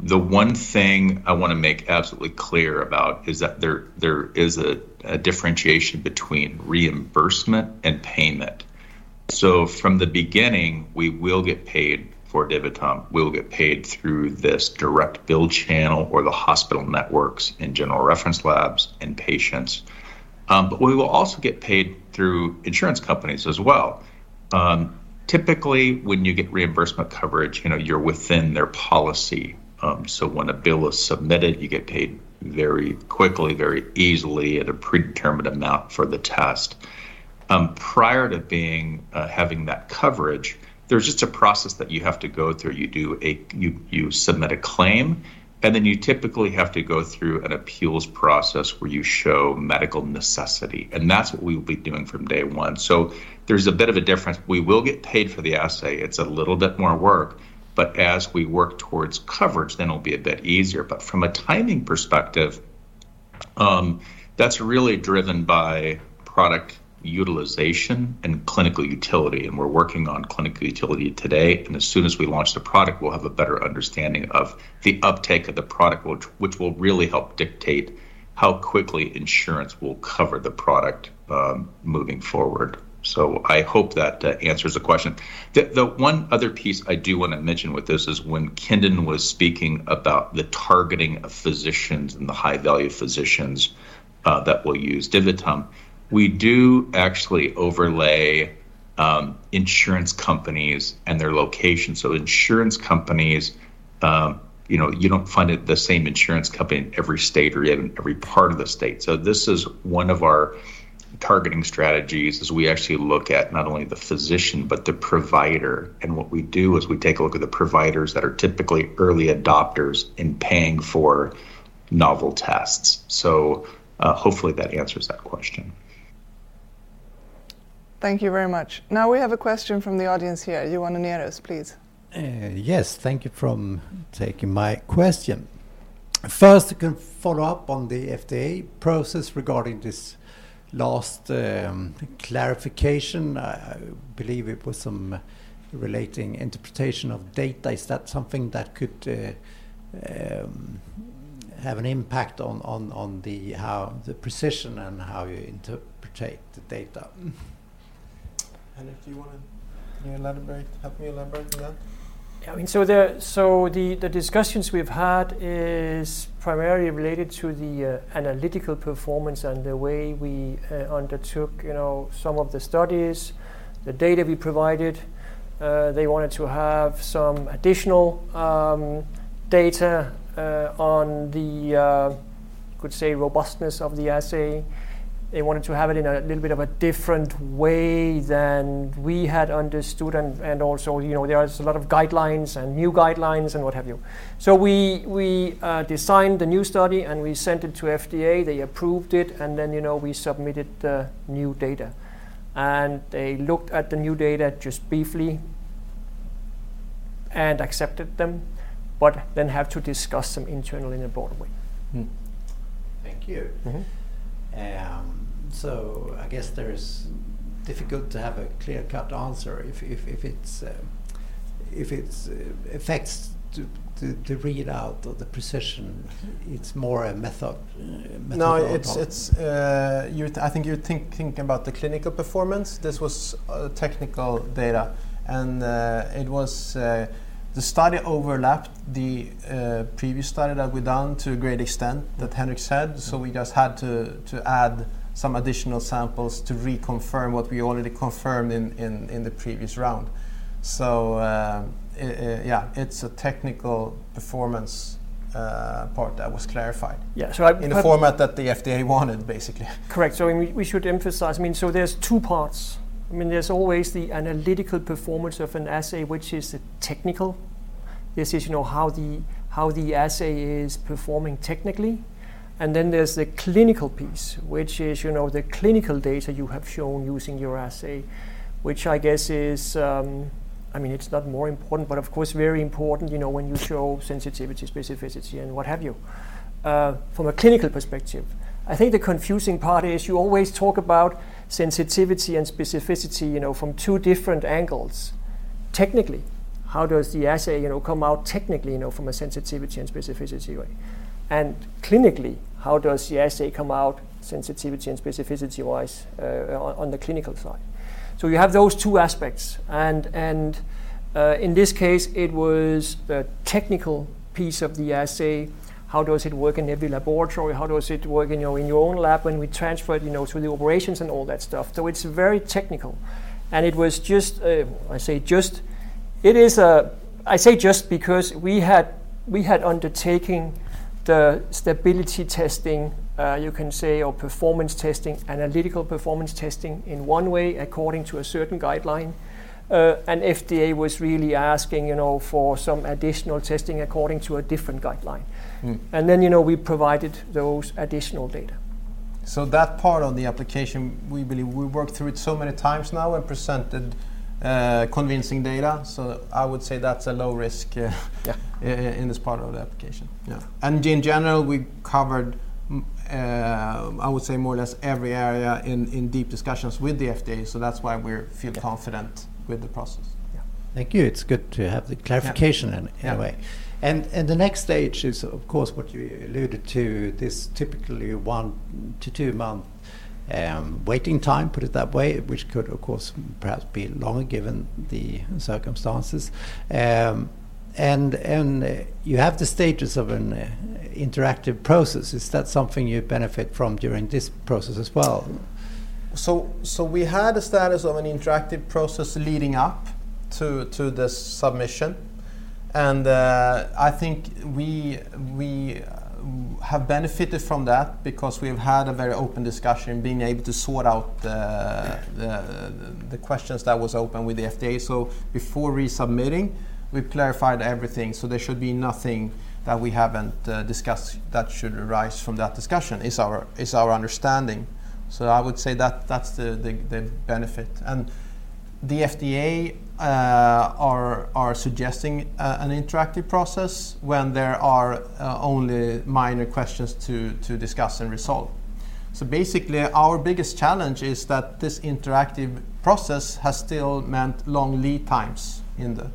S2: The one thing I wanna make absolutely clear about is that there is a differentiation between reimbursement and payment. So from the beginning, we will get paid for DiviTum. We'll get paid through this direct bill channel or the hospital networks in general reference labs and patients. But we will also get paid through insurance companies as well. Typically, when you get reimbursement coverage, you know, you're within their policy. When a bill is submitted, you get paid very quickly, very easily at a predetermined amount for the test. Prior to having that coverage, there's just a process that you have to go through. You submit a claim, and then you typically have to go through an appeals process where you show medical necessity, and that's what we will be doing from day one. There's a bit of a difference. We will get paid for the assay. It's a little bit more work, but as we work towards coverage, then it'll be a bit easier. From a timing perspective, that's really driven by product utilization and clinical utility, and we're working on clinical utility today. As soon as we launch the product, we'll have a better understanding of the uptake of the product which will really help dictate how quickly insurance will cover the product, moving forward. I hope that answers the question. The one other piece I do wanna mention with this is when Kendon was speaking about the targeting of physicians and the high-value physicians that will use DiviTum, we do actually overlay insurance companies and their location. Insurance companies, you know, you don't find it the same insurance company in every state or even every part of the state. This is one of our targeting strategies as we actually look at not only the physician but the provider, and what we do is we take a look at the providers that are typically early adopters in paying for novel tests. Hopefully that answers that question.
S7: Thank you very much. Now we have a question from the audience here. Johan Nierås, please.
S8: Yes. Thank you for taking my question. First, I can follow up on the FDA process regarding this last clarification. I believe it was some related interpretation of data. Is that something that could have an impact on how the precision and how you interpret the data?
S1: Henrik, do you wanna elaborate, help me elaborate on that?
S6: Yeah. I mean, the discussions we've had is primarily related to the analytical performance and the way we undertook, you know, some of the studies, the data we provided. They wanted to have some additional data on the so-called robustness of the assay. They wanted to have it in a little bit of a different way than we had understood and also, you know, there is a lot of guidelines and new guidelines and what have you. We designed the new study, and we sent it to FDA. They approved it, and then, you know, we submitted the new data. They looked at the new data just briefly and accepted them but then have to discuss them internally in a broad way.
S8: Thank you.
S6: Mm-hmm.
S8: I guess it's difficult to have a clear-cut answer if it affects the read out of the precision. It's more methodological.
S1: No. It's. I think you're thinking about the clinical performance. This was technical data, and it was the study overlapped the previous study that we done to a great extent that Henrik said. We just had to add some additional samples to reconfirm what we already confirmed in the previous round. Yeah, it's a technical performance part that was clarified.
S6: Yeah.
S1: In the format that the FDA wanted, basically.
S6: Correct. I mean, we should emphasize, I mean, there's two parts. I mean, there's always the analytical performance of an assay, which is the technical. This is, you know, how the assay is performing technically. Then there's the clinical piece, which is, you know, the clinical data you have shown using your assay, which I guess is, I mean, it's not more important, but, of course, very important, you know, when you show sensitivity, specificity, and what have you, from a clinical perspective. I think the confusing part is you always talk about sensitivity and specificity, you know, from two different angles. Technically, how does the assay, you know, come out technically, you know, from a sensitivity and specificity way? Clinically, how does the assay come out sensitivity and specificity-wise, on the clinical side? You have those two aspects. In this case, it was the technical piece of the assay. How does it work in every laboratory? How does it work in your own lab when we transfer it, you know, to the operations and all that stuff? It's very technical. It was just, I say just because we had undertaken the stability testing, you can say, or performance testing, analytical performance testing in one way according to a certain guideline. FDA was really asking, you know, for some additional testing according to a different guideline.
S8: Mm.
S6: You know, we provided those additional data.
S1: That part of the application, we believe we worked through it so many times now and presented, convincing data. I would say that's a low risk.
S6: Yeah
S1: In this part of the application. Yeah. In general, we covered, I would say, more or less every area in deep discussions with the FDA. That's why we feel confident with the process.
S6: Yeah.
S8: Thank you. It's good to have the clarification anyway.
S6: Yeah. Yeah.
S8: The next stage is, of course, what you alluded to, this typically one to two month waiting time, put it that way, which could, of course, perhaps be longer given the circumstances. You have the status of an interactive process. Is that something you benefit from during this process as well?
S1: We had a status of an interactive process leading up to the submission, and I think we have benefited from that because we've had a very open discussion being able to sort out the questions that was open with the FDA. Before resubmitting, we clarified everything, so there should be nothing that we haven't discussed that should arise from that discussion, is our understanding. I would say that's the benefit. The FDA are suggesting an interactive process when there are only minor questions to discuss and resolve. Basically, our biggest challenge is that this interactive process has still meant long lead times in the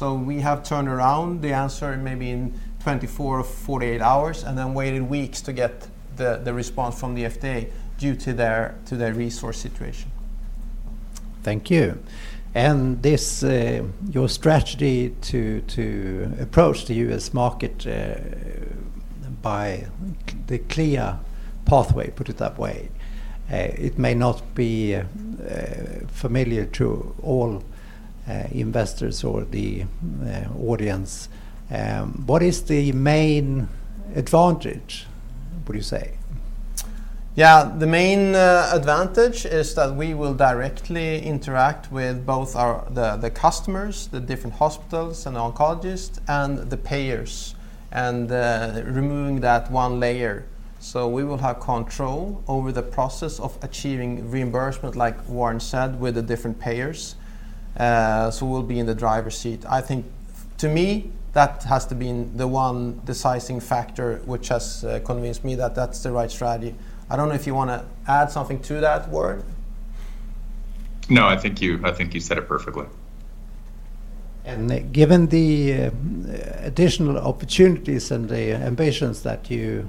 S1: We have turned around the answer in maybe 24 or 48 hours, and then waited weeks to get the response from the FDA due to their resource situation.
S8: Thank you. This, your strategy to approach the US market, by the clear pathway, put it that way, it may not be familiar to all investors or the audience. What is the main advantage, would you say?
S1: Yeah. The main advantage is that we will directly interact with both our customers, the different hospitals and oncologists, and the payers, and removing that one layer. We will have control over the process of achieving reimbursement, like Warren said, with the different payers. We'll be in the driver's seat. I think to me, that has to be the one decisive factor which has convinced me that that's the right strategy. I don't know if you wanna add something to that, Warren.
S2: No, I think you said it perfectly.
S8: Given the additional opportunities and the ambitions that you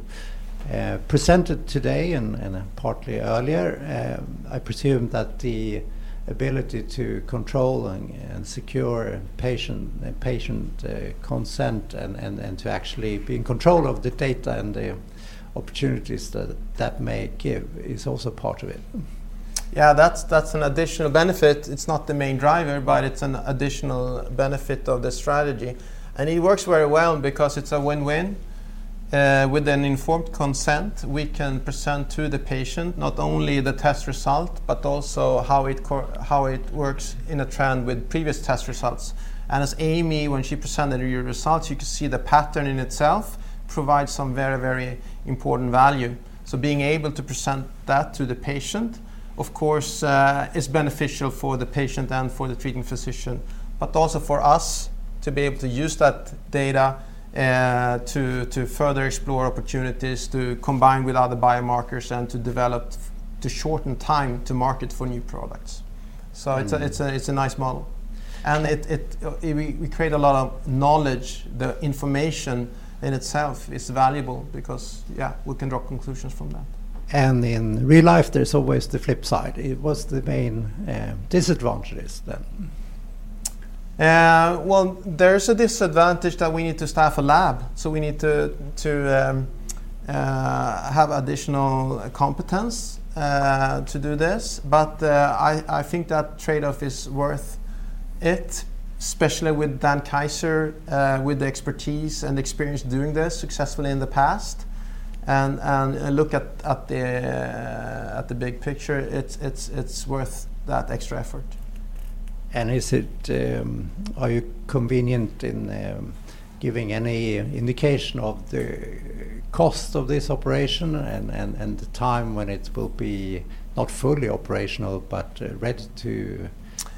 S8: presented today and partly earlier, I presume that the ability to control and secure patient consent and to actually be in control of the data and the opportunities that may give is also part of it.
S1: Yeah, that's an additional benefit. It's not the main driver, but it's an additional benefit of the strategy. It works very well because it's a win-win. With an informed consent, we can present to the patient not only the test result, but also how it works in a trend with previous test results. As Amy, when she presented your results, you could see the pattern in itself provide some very, very important value. Being able to present that to the patient, of course, is beneficial for the patient and for the treating physician, but also for us to be able to use that data to further explore opportunities to combine with other biomarkers and to develop, to shorten time to market for new products. It's a-
S8: Mm-hmm.
S1: It's a nice model. We create a lot of knowledge. The information in itself is valuable because, yeah, we can draw conclusions from that.
S8: In real life, there's always the flip side. What's the main disadvantages then?
S1: Well, there's a disadvantage that we need to staff a lab, so we need to have additional competence to do this. I think that trade-off is worth it, especially with Dan Kaiser with the expertise and experience doing this successfully in the past. Look at the big picture, it's worth that extra effort.
S8: Are you comfortable in giving any indication of the cost of this operation and the time when it will be, not fully operational, but ready to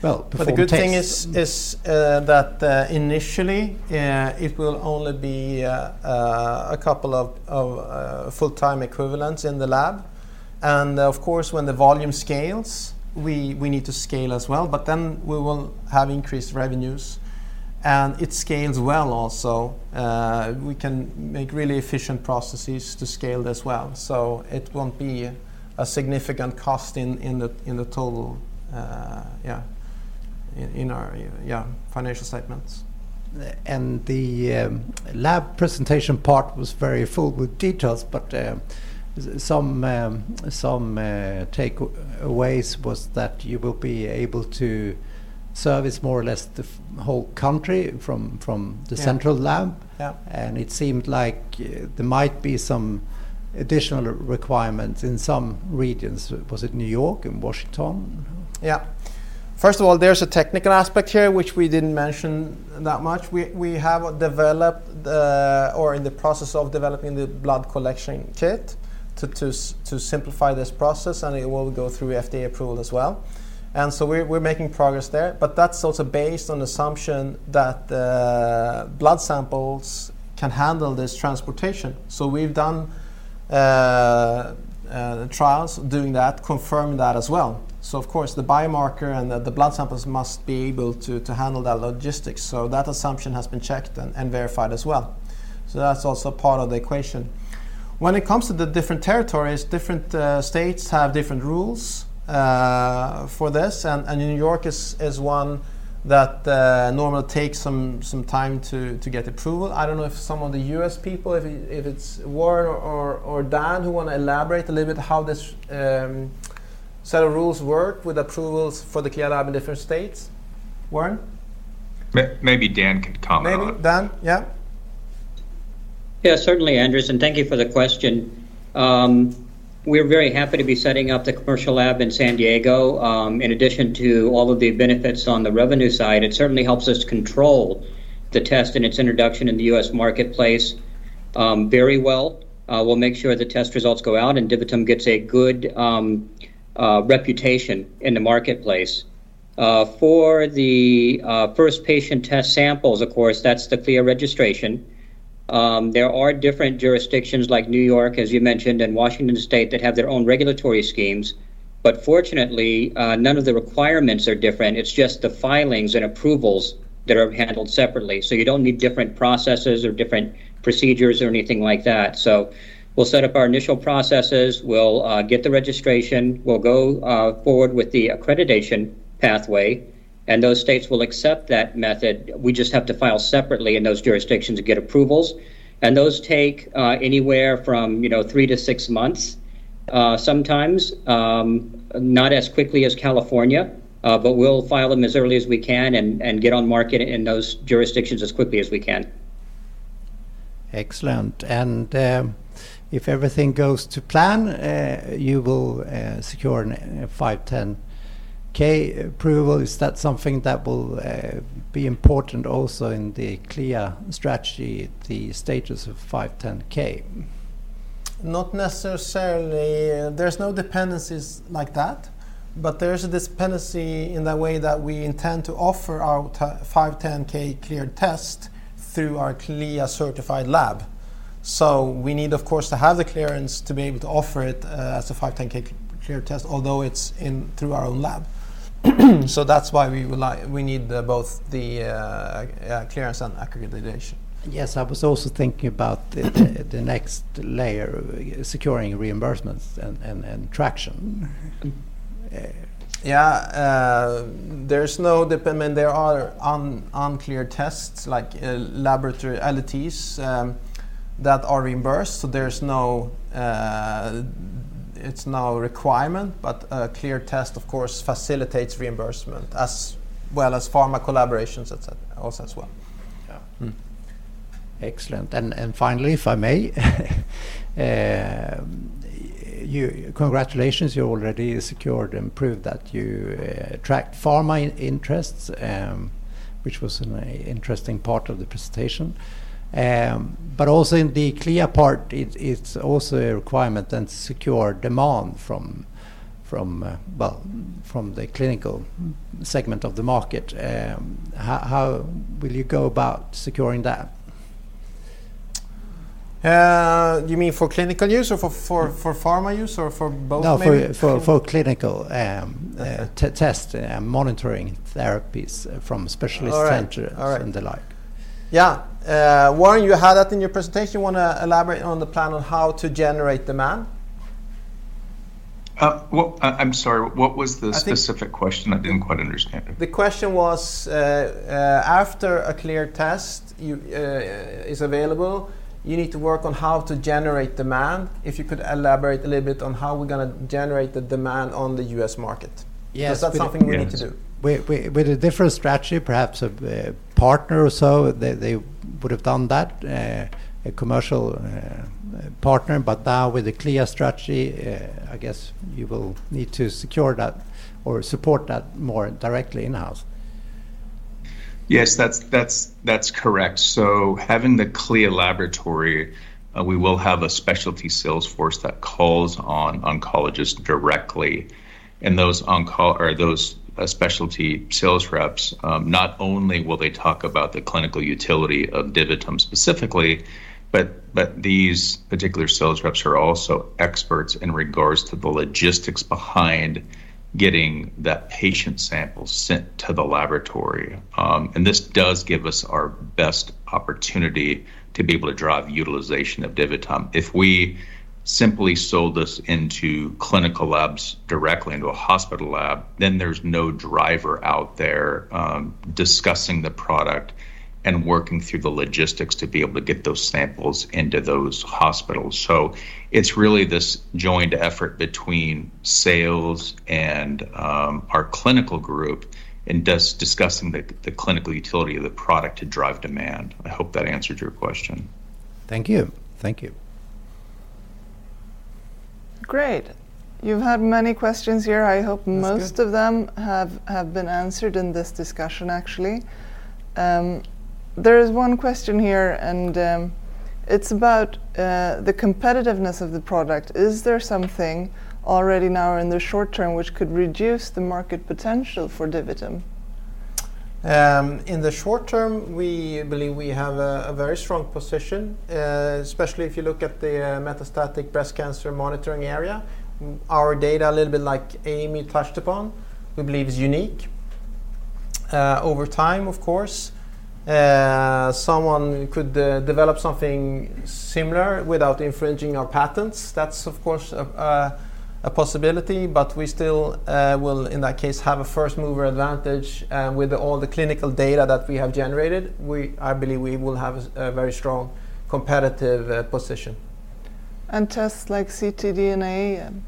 S8: perform tests?
S1: The good thing is that initially it will only be a couple of full-time equivalents in the lab. Of course, when the volume scales, we need to scale as well, but then we will have increased revenues. It scales well also. We can make really efficient processes to scale as well. It won't be a significant cost in the total in our financial statements.
S8: The lab presentation part was very full with details, but some takeaways was that you will be able to service more or less the whole country from the central lab.
S1: Yeah. Yeah.
S8: It seemed like there might be some additional requirements in some regions. Was it New York and Washington?
S1: Yeah. First of all, there's a technical aspect here, which we didn't mention that much. We have developed, or in the process of developing the blood collection kit to simplify this process, and it will go through FDA approval as well. We're making progress there. That's also based on assumption that the blood samples can handle this transportation. We've done the trials doing that confirm that as well. Of course, the biomarker and the blood samples must be able to handle that logistics. That assumption has been checked and verified as well. That's also part of the equation. When it comes to the different territories, different states have different rules for this. New York is one that normally takes some time to get approval. I don't know if some of the US people, if it's Warren or Dan who wanna elaborate a little bit how this set of rules work with approvals for the CLIA lab in different states. Warren?
S2: Maybe Dan could comment.
S1: Maybe Dan, yeah.
S4: Yeah. Certainly, Anders, and thank you for the question. We're very happy to be setting up the commercial lab in San Diego. In addition to all of the benefits on the revenue side, it certainly helps us control the test and its introduction in The U.S. marketplace, very well. We'll make sure the test results go out, and DiviTum gets a good reputation in the marketplace. For the first patient test samples, of course, that's the CLIA registration. There are different jurisdictions like New York, as you mentioned, and Washington State that have their own regulatory schemes, but fortunately, none of the requirements are different. It's just the filings and approvals that are handled separately. You don't need different processes or different procedures or anything like that. We'll set up our initial processes. We'll get the registration. We'll go forward with the accreditation pathway, and those states will accept that method. We just have to file separately in those jurisdictions to get approvals. Those take anywhere from, you know, three to six months, sometimes not as quickly as California, but we'll file them as early as we can and get on market in those jurisdictions as quickly as we can.
S8: Excellent. If everything goes to plan, you will secure a 510(k) approval. Is that something that will be important also in the CLIA strategy, the status of 510(k)?
S1: Not necessarily. There's no dependencies like that, but there's this dependency in the way that we intend to offer our 510(k) cleared test through our CLIA-certified lab. We need, of course, to have the clearance to be able to offer it as a 510(k) cleared test, although it's through our own lab. That's why we need both the clearance and accreditation.
S8: Yes. I was also thinking about the next layer, securing reimbursements and traction.
S1: I mean, there are uncleared tests like laboratory LDTs that are reimbursed, so it's no requirement, but a cleared test of course facilitates reimbursement as well as pharma collaborations, et cetera, also as well.
S8: Excellent. Finally, if I may, congratulations, you already secured and proved that you attract pharma interests, which was an interesting part of the presentation. Also in the CLIA part, it's also a requirement and secure demand from, well, from the clinical segment of the market. How will you go about securing that?
S1: You mean for clinical use or for pharma use, or for both maybe?
S8: No, for clinical test monitoring therapies from specialist centers.
S1: All right.
S8: and the like.
S1: Yeah. Warren, you had that in your presentation. You wanna elaborate on the plan on how to generate demand?
S2: Well, I'm sorry. What was the?
S1: I think-
S2: Specific question? I didn't quite understand.
S1: The question was, after a cleared test is available, you need to work on how to generate demand. If you could elaborate a little bit on how we're gonna generate the demand on the US market.
S4: Yes.
S1: Is that something we need to do?
S8: With a different strategy, perhaps a partner or so, they would have done that, a commercial partner. Now with the CLIA strategy, I guess you will need to secure that or support that more directly in-house.
S2: Yes. That's correct. Having the CLIA laboratory, we will have a specialty sales force that calls on oncologists directly. Those specialty sales reps not only will they talk about the clinical utility of DiviTum specifically, but these particular sales reps are also experts in regards to the logistics behind getting that patient sample sent to the laboratory. This does give us our best opportunity to be able to drive utilization of DiviTum. If we simply sold this into clinical labs directly into a hospital lab, then there's no driver out there discussing the product and working through the logistics to be able to get those samples into those hospitals. It's really this joint effort between sales and our clinical group discussing the clinical utility of the product to drive demand. I hope that answered your question.
S8: Thank you. Thank you.
S7: Great. You've had many questions here. I hope most.
S1: That's good.
S7: of them have been answered in this discussion actually. There is one question here, and it's about the competitiveness of the product. Is there something already now in the short term which could reduce the market potential for DiviTum?
S1: In the short term, we believe we have a very strong position, especially if you look at the metastatic breast cancer monitoring area. Our data, a little bit like Amy touched upon, we believe is unique. Over time, of course, someone could develop something similar without infringing our patents. That's of course a possibility, but we still will, in that case, have a first mover advantage with all the clinical data that we have generated. I believe we will have a very strong competitive position.
S7: Tests like ctDNA and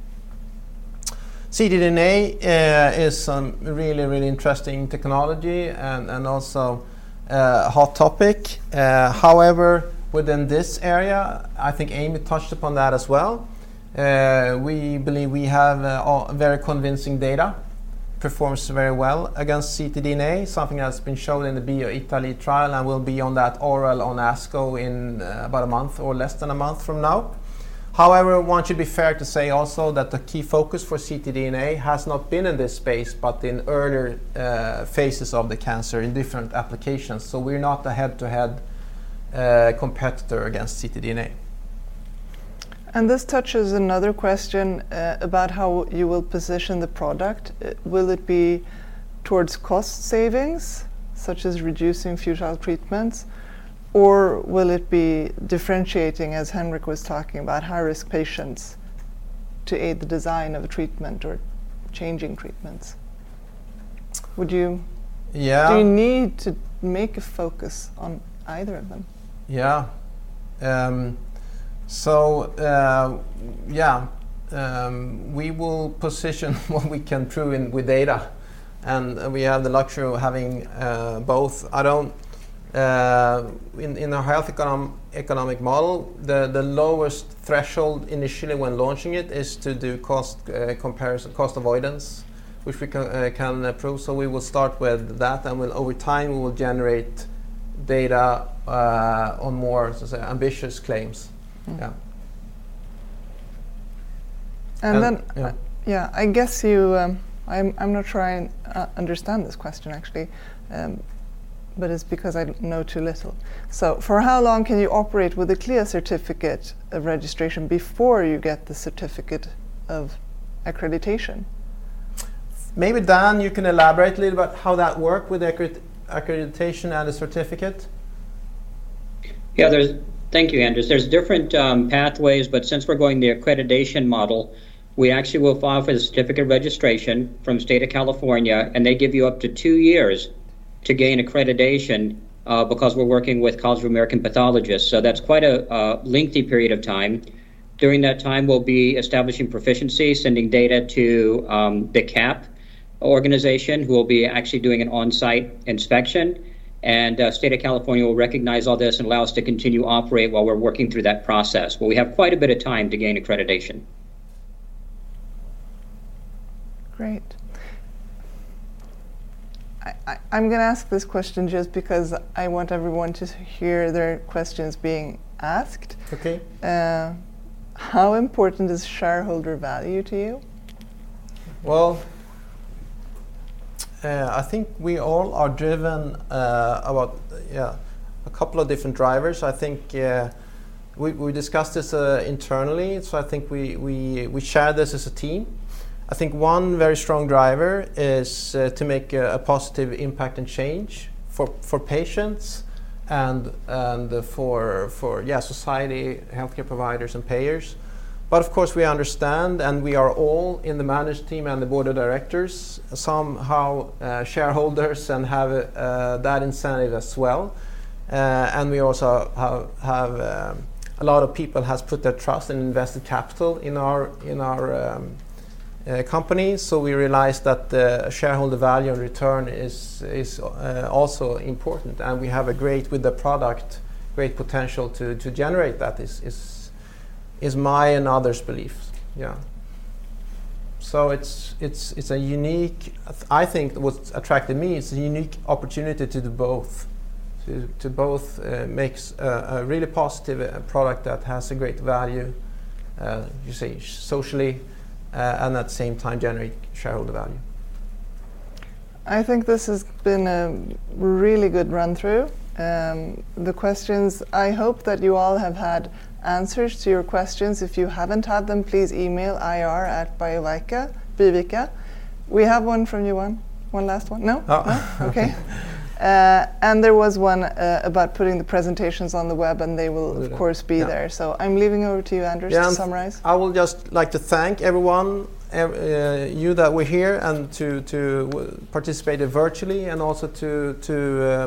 S1: ctDNA is some really, really interesting technology and also a hot topic. However, within this area, I think Amy touched upon that as well. We believe we have a very convincing data, performs very well against ctDNA, something that's been shown in the BioItaLEE trial and will be on that oral on ASCO in about a month or less than a month from now. However, I want to be fair to say also that the key focus for ctDNA has not been in this space, but in earlier phases of the cancer in different applications. We're not a head-to-head competitor against ctDNA.
S7: This touches another question, about how you will position the product. Will it be towards cost savings, such as reducing futile treatments, or will it be differentiating, as Henrik was talking about high-risk patients, to aid the design of a treatment or changing treatments? Would you-
S1: Yeah.
S7: Do you need to make a focus on either of them?
S1: We will position what we can prove with data, and we have the luxury of having both. In a health economic model, the lowest threshold initially when launching it is to do cost comparison, cost avoidance, which we can prove. We will start with that, and over time, we will generate data on more ambitious claims.
S7: And then-
S1: Yeah.
S7: I'm gonna try and understand this question, actually, but it's because I know too little. For how long can you operate with a CLIA certificate of registration before you get the certificate of accreditation?
S1: Maybe, Dan, you can elaborate a little about how that work with accreditation and a certificate.
S4: Thank you, Anders. There's different pathways, but since we're going the accreditation model, we actually will file for the certificate of registration from State of California, and they give you up to two years to gain accreditation, because we're working with College of American Pathologists. That's quite a lengthy period of time. During that time, we'll be establishing proficiency, sending data to the CAP organization, who will actually be doing an on-site inspection. State of California will recognize all this and allow us to continue operate while we're working through that process. We have quite a bit of time to gain accreditation.
S7: Great. I'm gonna ask this question just because I want everyone to hear their questions being asked.
S1: Okay.
S7: How important is shareholder value to you?
S1: Well, I think we all are driven about, yeah, a couple of different drivers. I think we discussed this internally, so I think we share this as a team. I think one very strong driver is to make a positive impact and change for patients and for society, healthcare providers and payers. Of course, we understand, and we are all in the management team and the board of directors, somehow shareholders and have that incentive as well. We also have a lot of people has put their trust and invested capital in our company. We realize that the shareholder value and return is also important, and we have great potential with the product to generate that is my and others' belief. Yeah. I think what's attracted me is the unique opportunity to do both makes a really positive product that has a great value, you say, socially, and at the same time generate shareholder value.
S7: I think this has been a really good run through. The questions, I hope that you all have had answers to your questions. If you haven't had them, please email ir@biovica.com. We have one from you, one last one. No?
S1: No.
S7: No? Okay. There was one about putting the presentations on the web, and they will, of course.
S1: Yeah
S7: be there. I'm handing over to you, Anders, to summarize.
S1: Yeah, I will just like to thank everyone, you that were here and to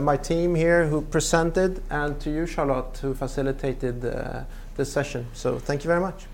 S1: my team here who presented, and to you, Charlotte, who facilitated the session. Thank you very much.